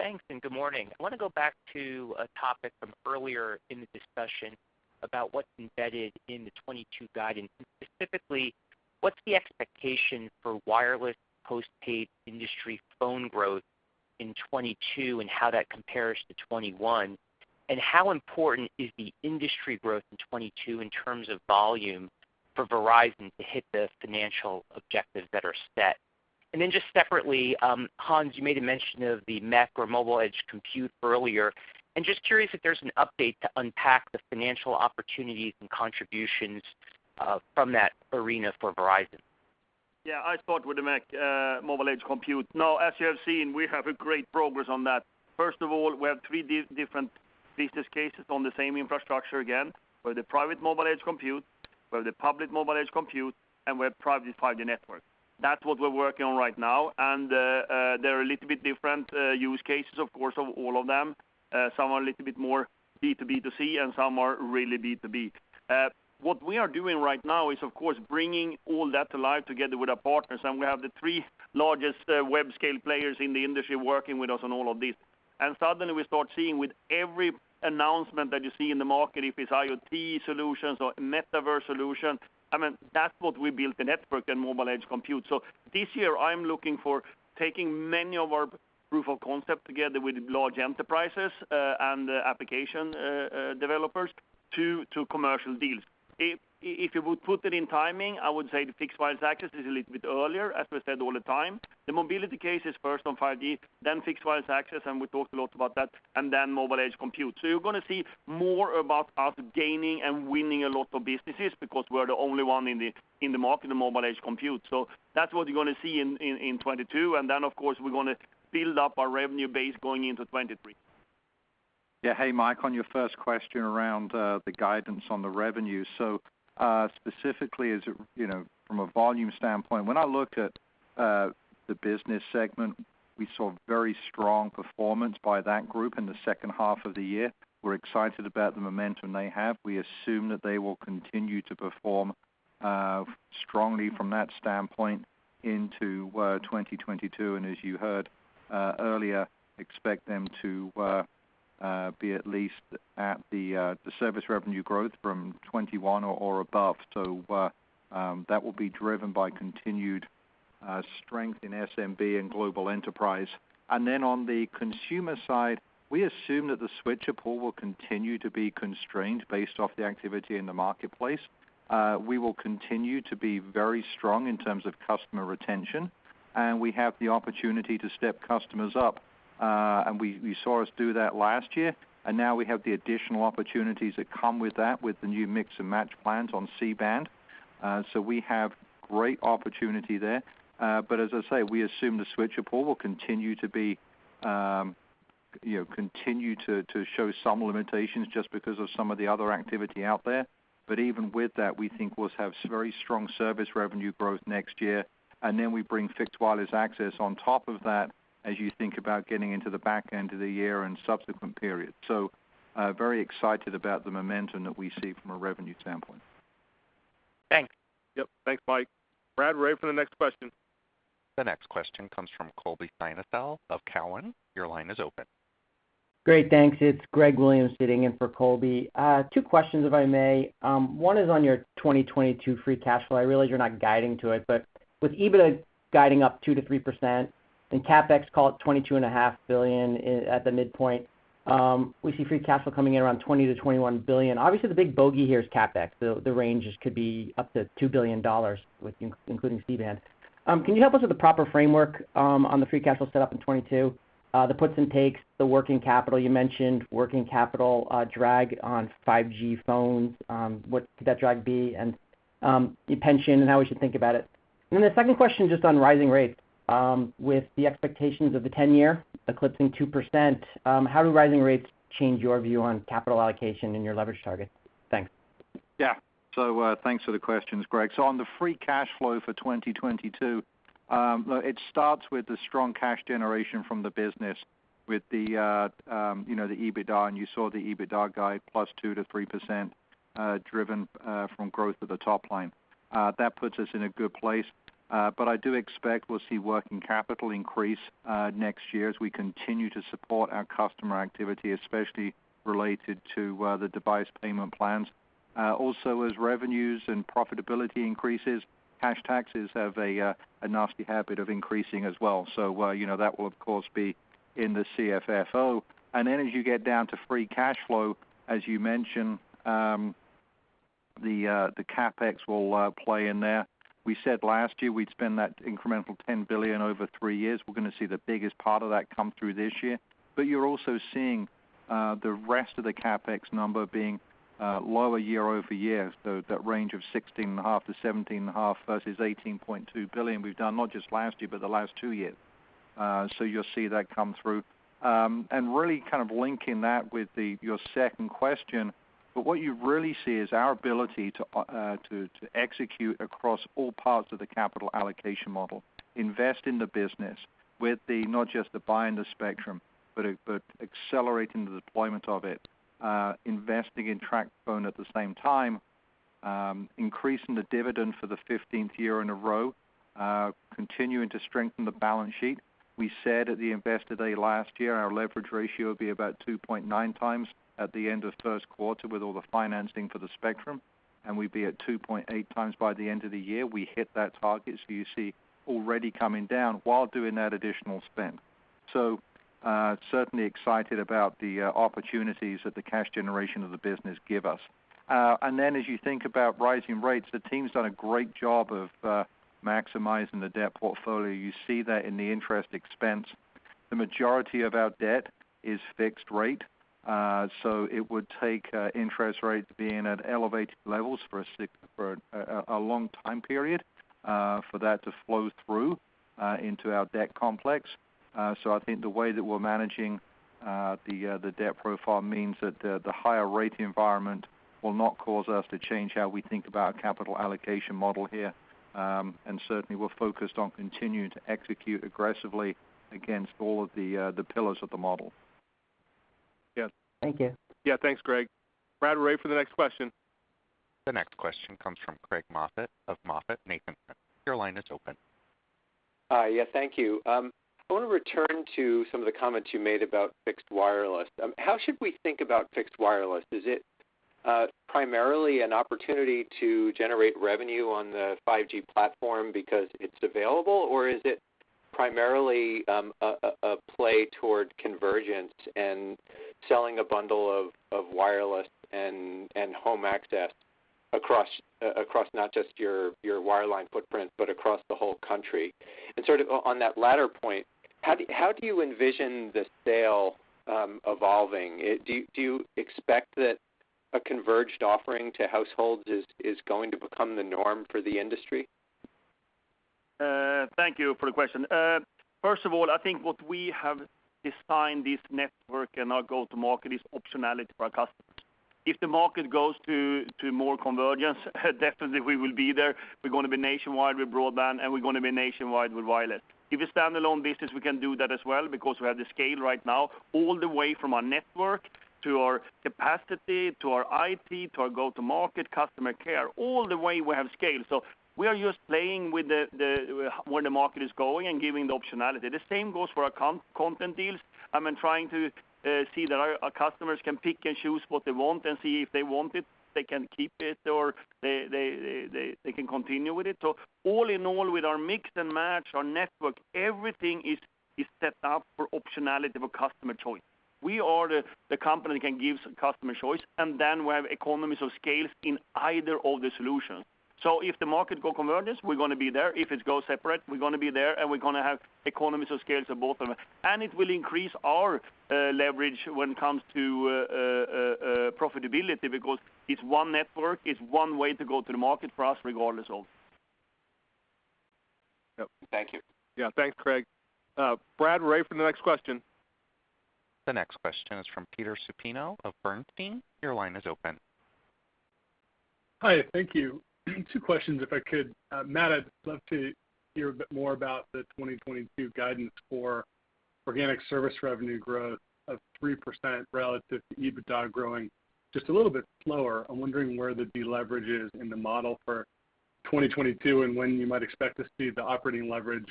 Thanks, and good morning. I wanna go back to a topic from earlier in the discussion about what's embedded in the 2022 guidance. Specifically, what's the expectation for wireless postpaid industry phone growth in 2022 and how that compares to 2021? How important is the industry growth in 2022 in terms of volume for Verizon to hit the financial objectives that are set? Then just separately, Hans, you made a mention of the MEC or Mobile Edge Compute earlier, and just curious if there's an update to unpack the financial opportunities and contributions from that arena for Verizon. Yeah, I start with the MEC, Mobile Edge Compute. Now, as you have seen, we have a great progress on that. First of all, we have three different business cases on the same infrastructure again, for the private mobile edge compute, for the public mobile edge compute, and we have private 5G network. That's what we're working on right now, and there are a little bit different use cases, of course, of all of them. Some are a little bit more B to B to C, and some are really B to B. What we are doing right now is, of course, bringing all that to life together with our partners, and we have the three largest web scale players in the industry working with us on all of this. Suddenly, we start seeing with every announcement that you see in the market, if it's IoT solutions or Metaverse solution, I mean, that's what we built the network and Mobile Edge Compute. This year, I am looking for taking many of our proof of concept together with large enterprises and application developers to commercial deals. If you would put it in timing, I would say the fixed wireless access is a little bit earlier, as we said all the time. The mobility case is first on 5G, then fixed wireless access, and we talked a lot about that, and then mobile edge compute. You're gonna see more about us gaining and winning a lot of businesses because we're the only one in the market in mobile edge compute. That's what you're gonna see in 2022. Of course, we are gonna build up our revenue base going into 2023. Yeah. Hey, Mike, on your first question around the guidance on the revenue. Specifically, as a, you know, from a volume standpoint, when I look at the business segment, we saw very strong performance by that group in the second half of the year. We're excited about the momentum they have. We assume that they will continue to perform strongly from that standpoint into 2022. As you heard earlier, expect them to be at least at the service revenue growth from 2021 or above. That will be driven by continued strength in SMB and global enterprise. Then on the consumer side, we assume that the switcher pool will continue to be constrained based off the activity in the marketplace. We will continue to be very strong in terms of customer retention. We have the opportunity to step customers up. We saw us do that last year, and now we have the additional opportunities that come with that with the new Mix and Match plans on C-band. We have great opportunity there. As I say, we assume the switching pool will continue to be, you know, continue to show some limitations just because of some of the other activity out there. Even with that, we think we'll have very strong service revenue growth next year, and then we bring fixed wireless access on top of that as you think about getting into the back end of the year and subsequent periods. Very excited about the momentum that we see from a revenue standpoint. Thanks. Yep. Thanks, Mike. Brad, we're ready for the next question. The next question comes from Colby Synesael of Cowen. Your line is open. Great. Thanks. It's Greg Williams sitting in for Colby. Two questions, if I may. One is on your 2022 free cash flow. I realize you're not guiding to it, but with EBITDA guiding up 2%-3% and CapEx call it $22.5 billion at the midpoint, we see free cash flow coming in around $20 billion-$21 billion. Obviously, the big bogey here is CapEx, the ranges could be up to $2 billion including C-band. Can you help us with the proper framework on the free cash flow set up in 2022? The puts and takes, the working capital you mentioned, working capital drag on 5G phones, what could that drag be and the pension and how we should think about it. The second question just on rising rates, with the expectations of the 10-year eclipsing 2%, how do rising rates change your view on capital allocation and your leverage target? Thanks. Thanks for the questions, Greg. On the free cash flow for 2022, look, it starts with the strong cash generation from the business with the, you know, the EBITDA, and you saw the EBITDA guide +2%-3%, driven from growth of the top line. That puts us in a good place. But I do expect we'll see working capital increase next year as we continue to support our customer activity, especially related to the device payment plans. Also, as revenues and profitability increases, cash taxes have a nasty habit of increasing as well. You know, that will, of course, be in the CFFO. As you get down to free cash flow, as you mentioned, the CapEx will play in there. We said last year we'd spend that incremental $10 billion over three years. We're gonna see the biggest part of that come through this year. You're also seeing the rest of the CapEx number being lower year-over-year, so that range of $16.5-$17.5 billion versus $18.2 billion we've done not just last year but the last two years. You'll see that come through. Really kind of linking that with your second question, what you really see is our ability to execute across all parts of the capital allocation model, invest in the business with not just buying the spectrum, but accelerating the deployment of it, investing in TracFone at the same time, increasing the dividend for the 15th year in a row, continuing to strengthen the balance sheet. We said at the Investor Day last year, our leverage ratio would be about 2.9 times at the end of Q1 with all the financing for the spectrum, and we'd be at 2.8 times by the end of the year. We hit that target, you see already coming down while doing that additional spend. Certainly excited about the opportunities that the cash generation of the business give us. As you think about rising rates, the team's done a great job of maximizing the debt portfolio. You see that in the interest expense. The majority of our debt is fixed rate, so it would take interest rates being at elevated levels for a long time period for that to flow through into our debt complex. I think the way that we're managing the debt profile means that the higher rate environment will not cause us to change how we think about capital allocation model here. Certainly we're focused on continuing to execute aggressively against all of the pillars of the model. Yes. Thank you. Yeah. Thanks, Greg. Brad, we're ready for the next question. The next question comes from Craig Moffett of MoffettNathanson. Your line is open. Hi. Yes. Thank you. I wanna return to some of the comments you made about fixed wireless. How should we think about fixed wireless? Is it primarily an opportunity to generate revenue on the 5G platform because it's available, or is it primarily a play toward convergence and selling a bundle of wireless and home access across not just your wireline footprint, but across the whole country? Sort of on that latter point, how do you envision the sales evolving? Do you expect that a converged offering to households is going to become the norm for the industry? Thank you for the question. First of all, I think what we have designed this network and our go-to-market is optionality for our customers. If the market goes to more convergence, definitely we will be there. We're gonna be nationwide with broadband, and we're gonna be nationwide with wireless. If a standalone business, we can do that as well because we have the scale right now all the way from our network to our capacity to our IT, to our go-to-market customer care, all the way we have scale. We are just playing with the where the market is going and giving the optionality. The same goes for our content deals. I mean, trying to see that our customers can pick and choose what they want and see if they want it, they can keep it or they can continue with it. All in all, with our Mix and Match, our network, everything is set up for optionality for customer choice. We are the company that can give customer choice, and then we have economies of scales in either of the solutions. If the market goes convergence, we're gonna be there. If it goes separate, we're gonna be there, and we're gonna have economies of scales of both of them. It will increase our leverage when it comes to profitability, because it's one network, it's one way to go to the market for us regardless of. Thank you. Yeah. Thanks, Craig. Brady, we're ready for the next question. The next question is from Peter Supino of Bernstein. Your line is open. Hi. Thank you. Two questions if I could. Matt, I'd love to hear a bit more about the 2022 guidance for organic service revenue growth of 3% relative to EBITDA growing just a little bit slower. I'm wondering where the deleverage is in the model for 2022, and when you might expect to see the operating leverage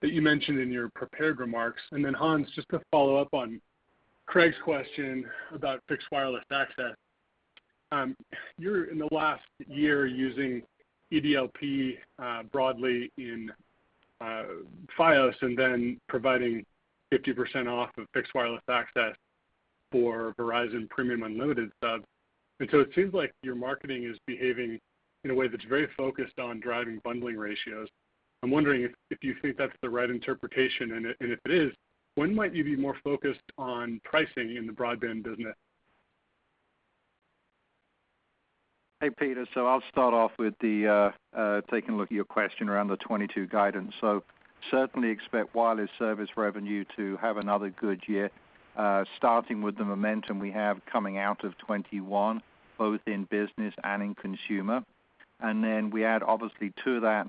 that you mentioned in your prepared remarks. Hans, just to follow up on Craig's question about fixed wireless access. You're in the last year using EDLP broadly in Fios, and then providing 50% off of fixed wireless access for Verizon premium unlimited subs. It seems like your marketing is behaving in a way that's very focused on driving bundling ratios. I'm wondering if you think that's the right interpretation, and if it is, when might you be more focused on pricing in the broadband business? Hey, Peter. I'll start off with taking a look at your question around the 2022 guidance. We certainly expect wireless service revenue to have another good year, starting with the momentum we have coming out of 2021, both in business and in consumer. Then we add obviously to that,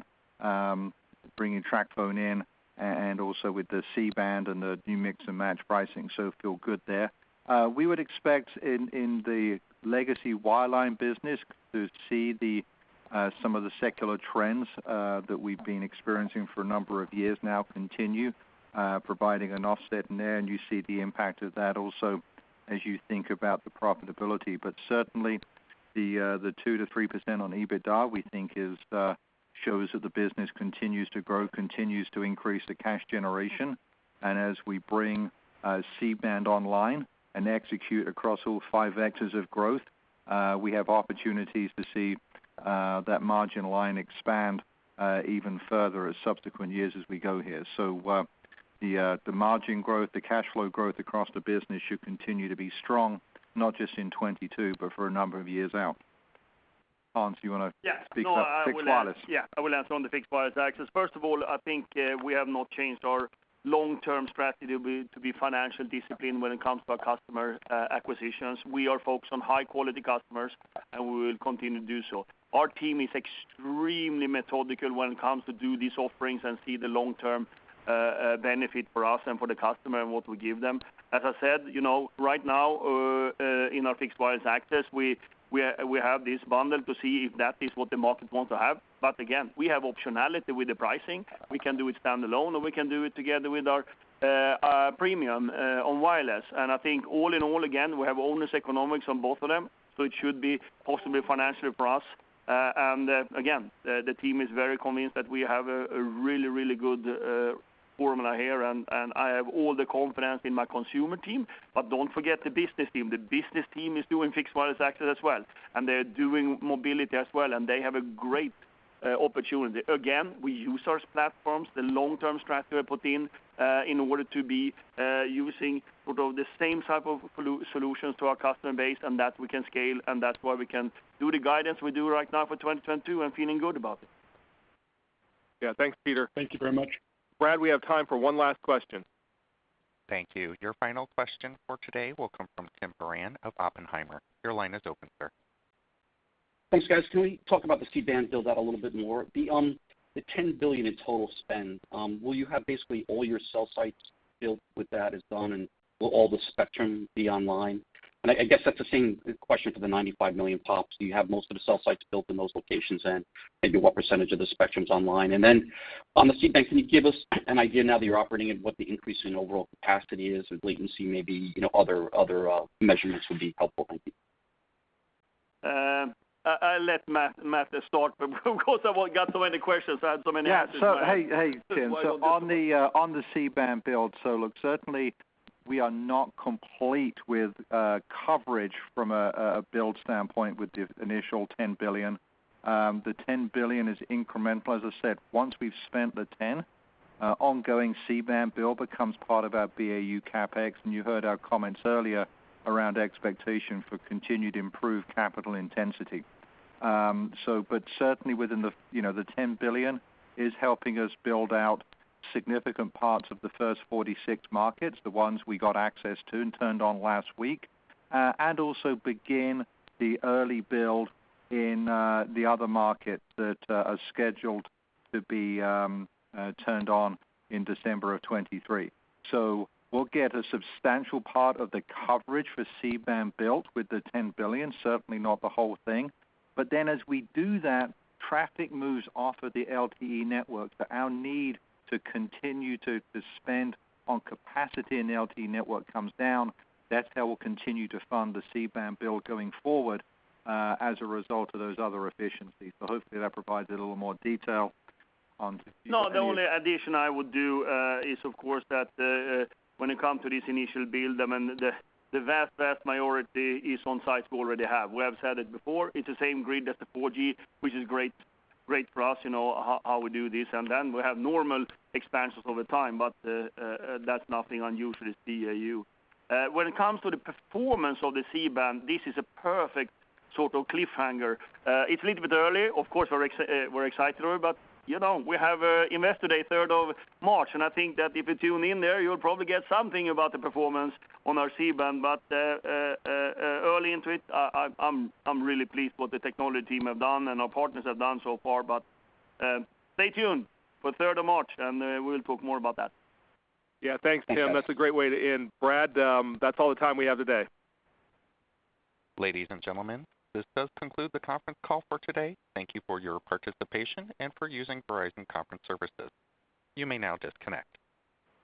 bringing TracFone in and also with the C-band and the new Mix and Match pricing, so feel good there. We would expect in the legacy wireline business to see some of the secular trends that we've been experiencing for a number of years now continue, providing an offset in there, and you see the impact of that also as you think about the profitability. Certainly the 2%-3% on EBITDA, we think it shows that the business continues to grow, continues to increase the cash generation. As we bring C-band online and execute across all five vectors of growth, we have opportunities to see that margin line expand even further in subsequent years as we go here. The margin growth, the cash flow growth across the business should continue to be strong, not just in 2022, but for a number of years out. Hans, you wanna speak to fixed wireless? Yeah. I will answer on the fixed wireless access. First of all, I think we have not changed our long-term strategy to be financially disciplined when it comes to our customer acquisitions. We are focused on high-quality customers, and we will continue to do so. Our team is extremely methodical when it comes to doing these offerings and see the long-term benefit for us and for the customer and what we give them. As I said, you know, right now in our fixed wireless access, we have this bundle to see if that is what the market wants to have. But again, we have optionality with the pricing. We can do it standalone, or we can do it together with our premium on wireless. I think all in all, again, we have owner economics on both of them, so it should be positive financially for us. Again, the team is very convinced that we have a really good formula here and I have all the confidence in my consumer team. But don't forget the business team. The business team is doing fixed wireless access as well, and they're doing mobility as well, and they have a great opportunity. Again, we use our platforms, the long-term strategy we put in in order to be using the same type of solutions to our customer base and that we can scale, and that's why we can do the guidance we do right now for 2022 and feeling good about it. Yeah. Thanks, Peter. Thank you very much. Brad, we have time for one last question. Thank you. Your final question for today will come from Tim Horan of Oppenheimer. Your line is open, sir. Thanks, guys. Can we talk about the C-band build out a little bit more? The $10 billion in total spend, will you have basically all your cell sites built with that done, and will all the spectrum be online? I guess that's the same question for the 95 million pops. Do you have most of the cell sites built in those locations then? Maybe what percentage of the spectrum's online? Then on the C-band, can you give us an idea now that you're operating and what the increase in overall capacity is and latency maybe, you know, other measurements would be helpful. Thank you. I'll let Matt start, but of course, I've got so many questions. I have so many answers. Hey, Tim. On the C-band build, look, certainly we are not complete with coverage from a build standpoint with the initial $10 billion. The $10 billion is incremental. As I said, once we've spent the $10 billion, ongoing C-band build becomes part of our BAU CapEx, and you heard our comments earlier around expectation for continued improved capital intensity. But certainly within the, you know, the $10 billion is helping us build out significant parts of the first 46 markets, the ones we got access to and turned on last week, and also begin the early build in the other markets that are scheduled to be turned on in December of 2023. We'll get a substantial part of the coverage for C-band built with the $10 billion, certainly not the whole thing. Then as we do that, traffic moves off of the LTE network that our need to continue to spend on capacity in the LTE network comes down. That's how we'll continue to fund the C-band build going forward, as a result of those other efficiencies. Hopefully that provides a little more detail on No, the only addition I would do is of course that when it comes to this initial build, I mean, the vast minority is on sites we already have. We have said it before, it's the same grid as the 4G, which is great for us, you know, how we do this. We have normal expansions over time, but that's nothing unusual with BAU. When it comes to the performance of the C-band, this is a perfect sort of cliffhanger. It's a little bit early. Of course, we're excited, but you know, we have Investor Day, third of March, and I think that if you tune in there, you'll probably get something about the performance on our C-band. Early into it, I'm really pleased with what the technology team have done and our partners have done so far. Stay tuned for third of March, and we'll talk more about that. Yeah. Thanks, Tim. That's a great way to end. Brad, that's all the time we have today. Ladies and gentlemen, this does conclude the conference call for today. Thank you for your participation and for using Verizon Conference Services. You may now disconnect.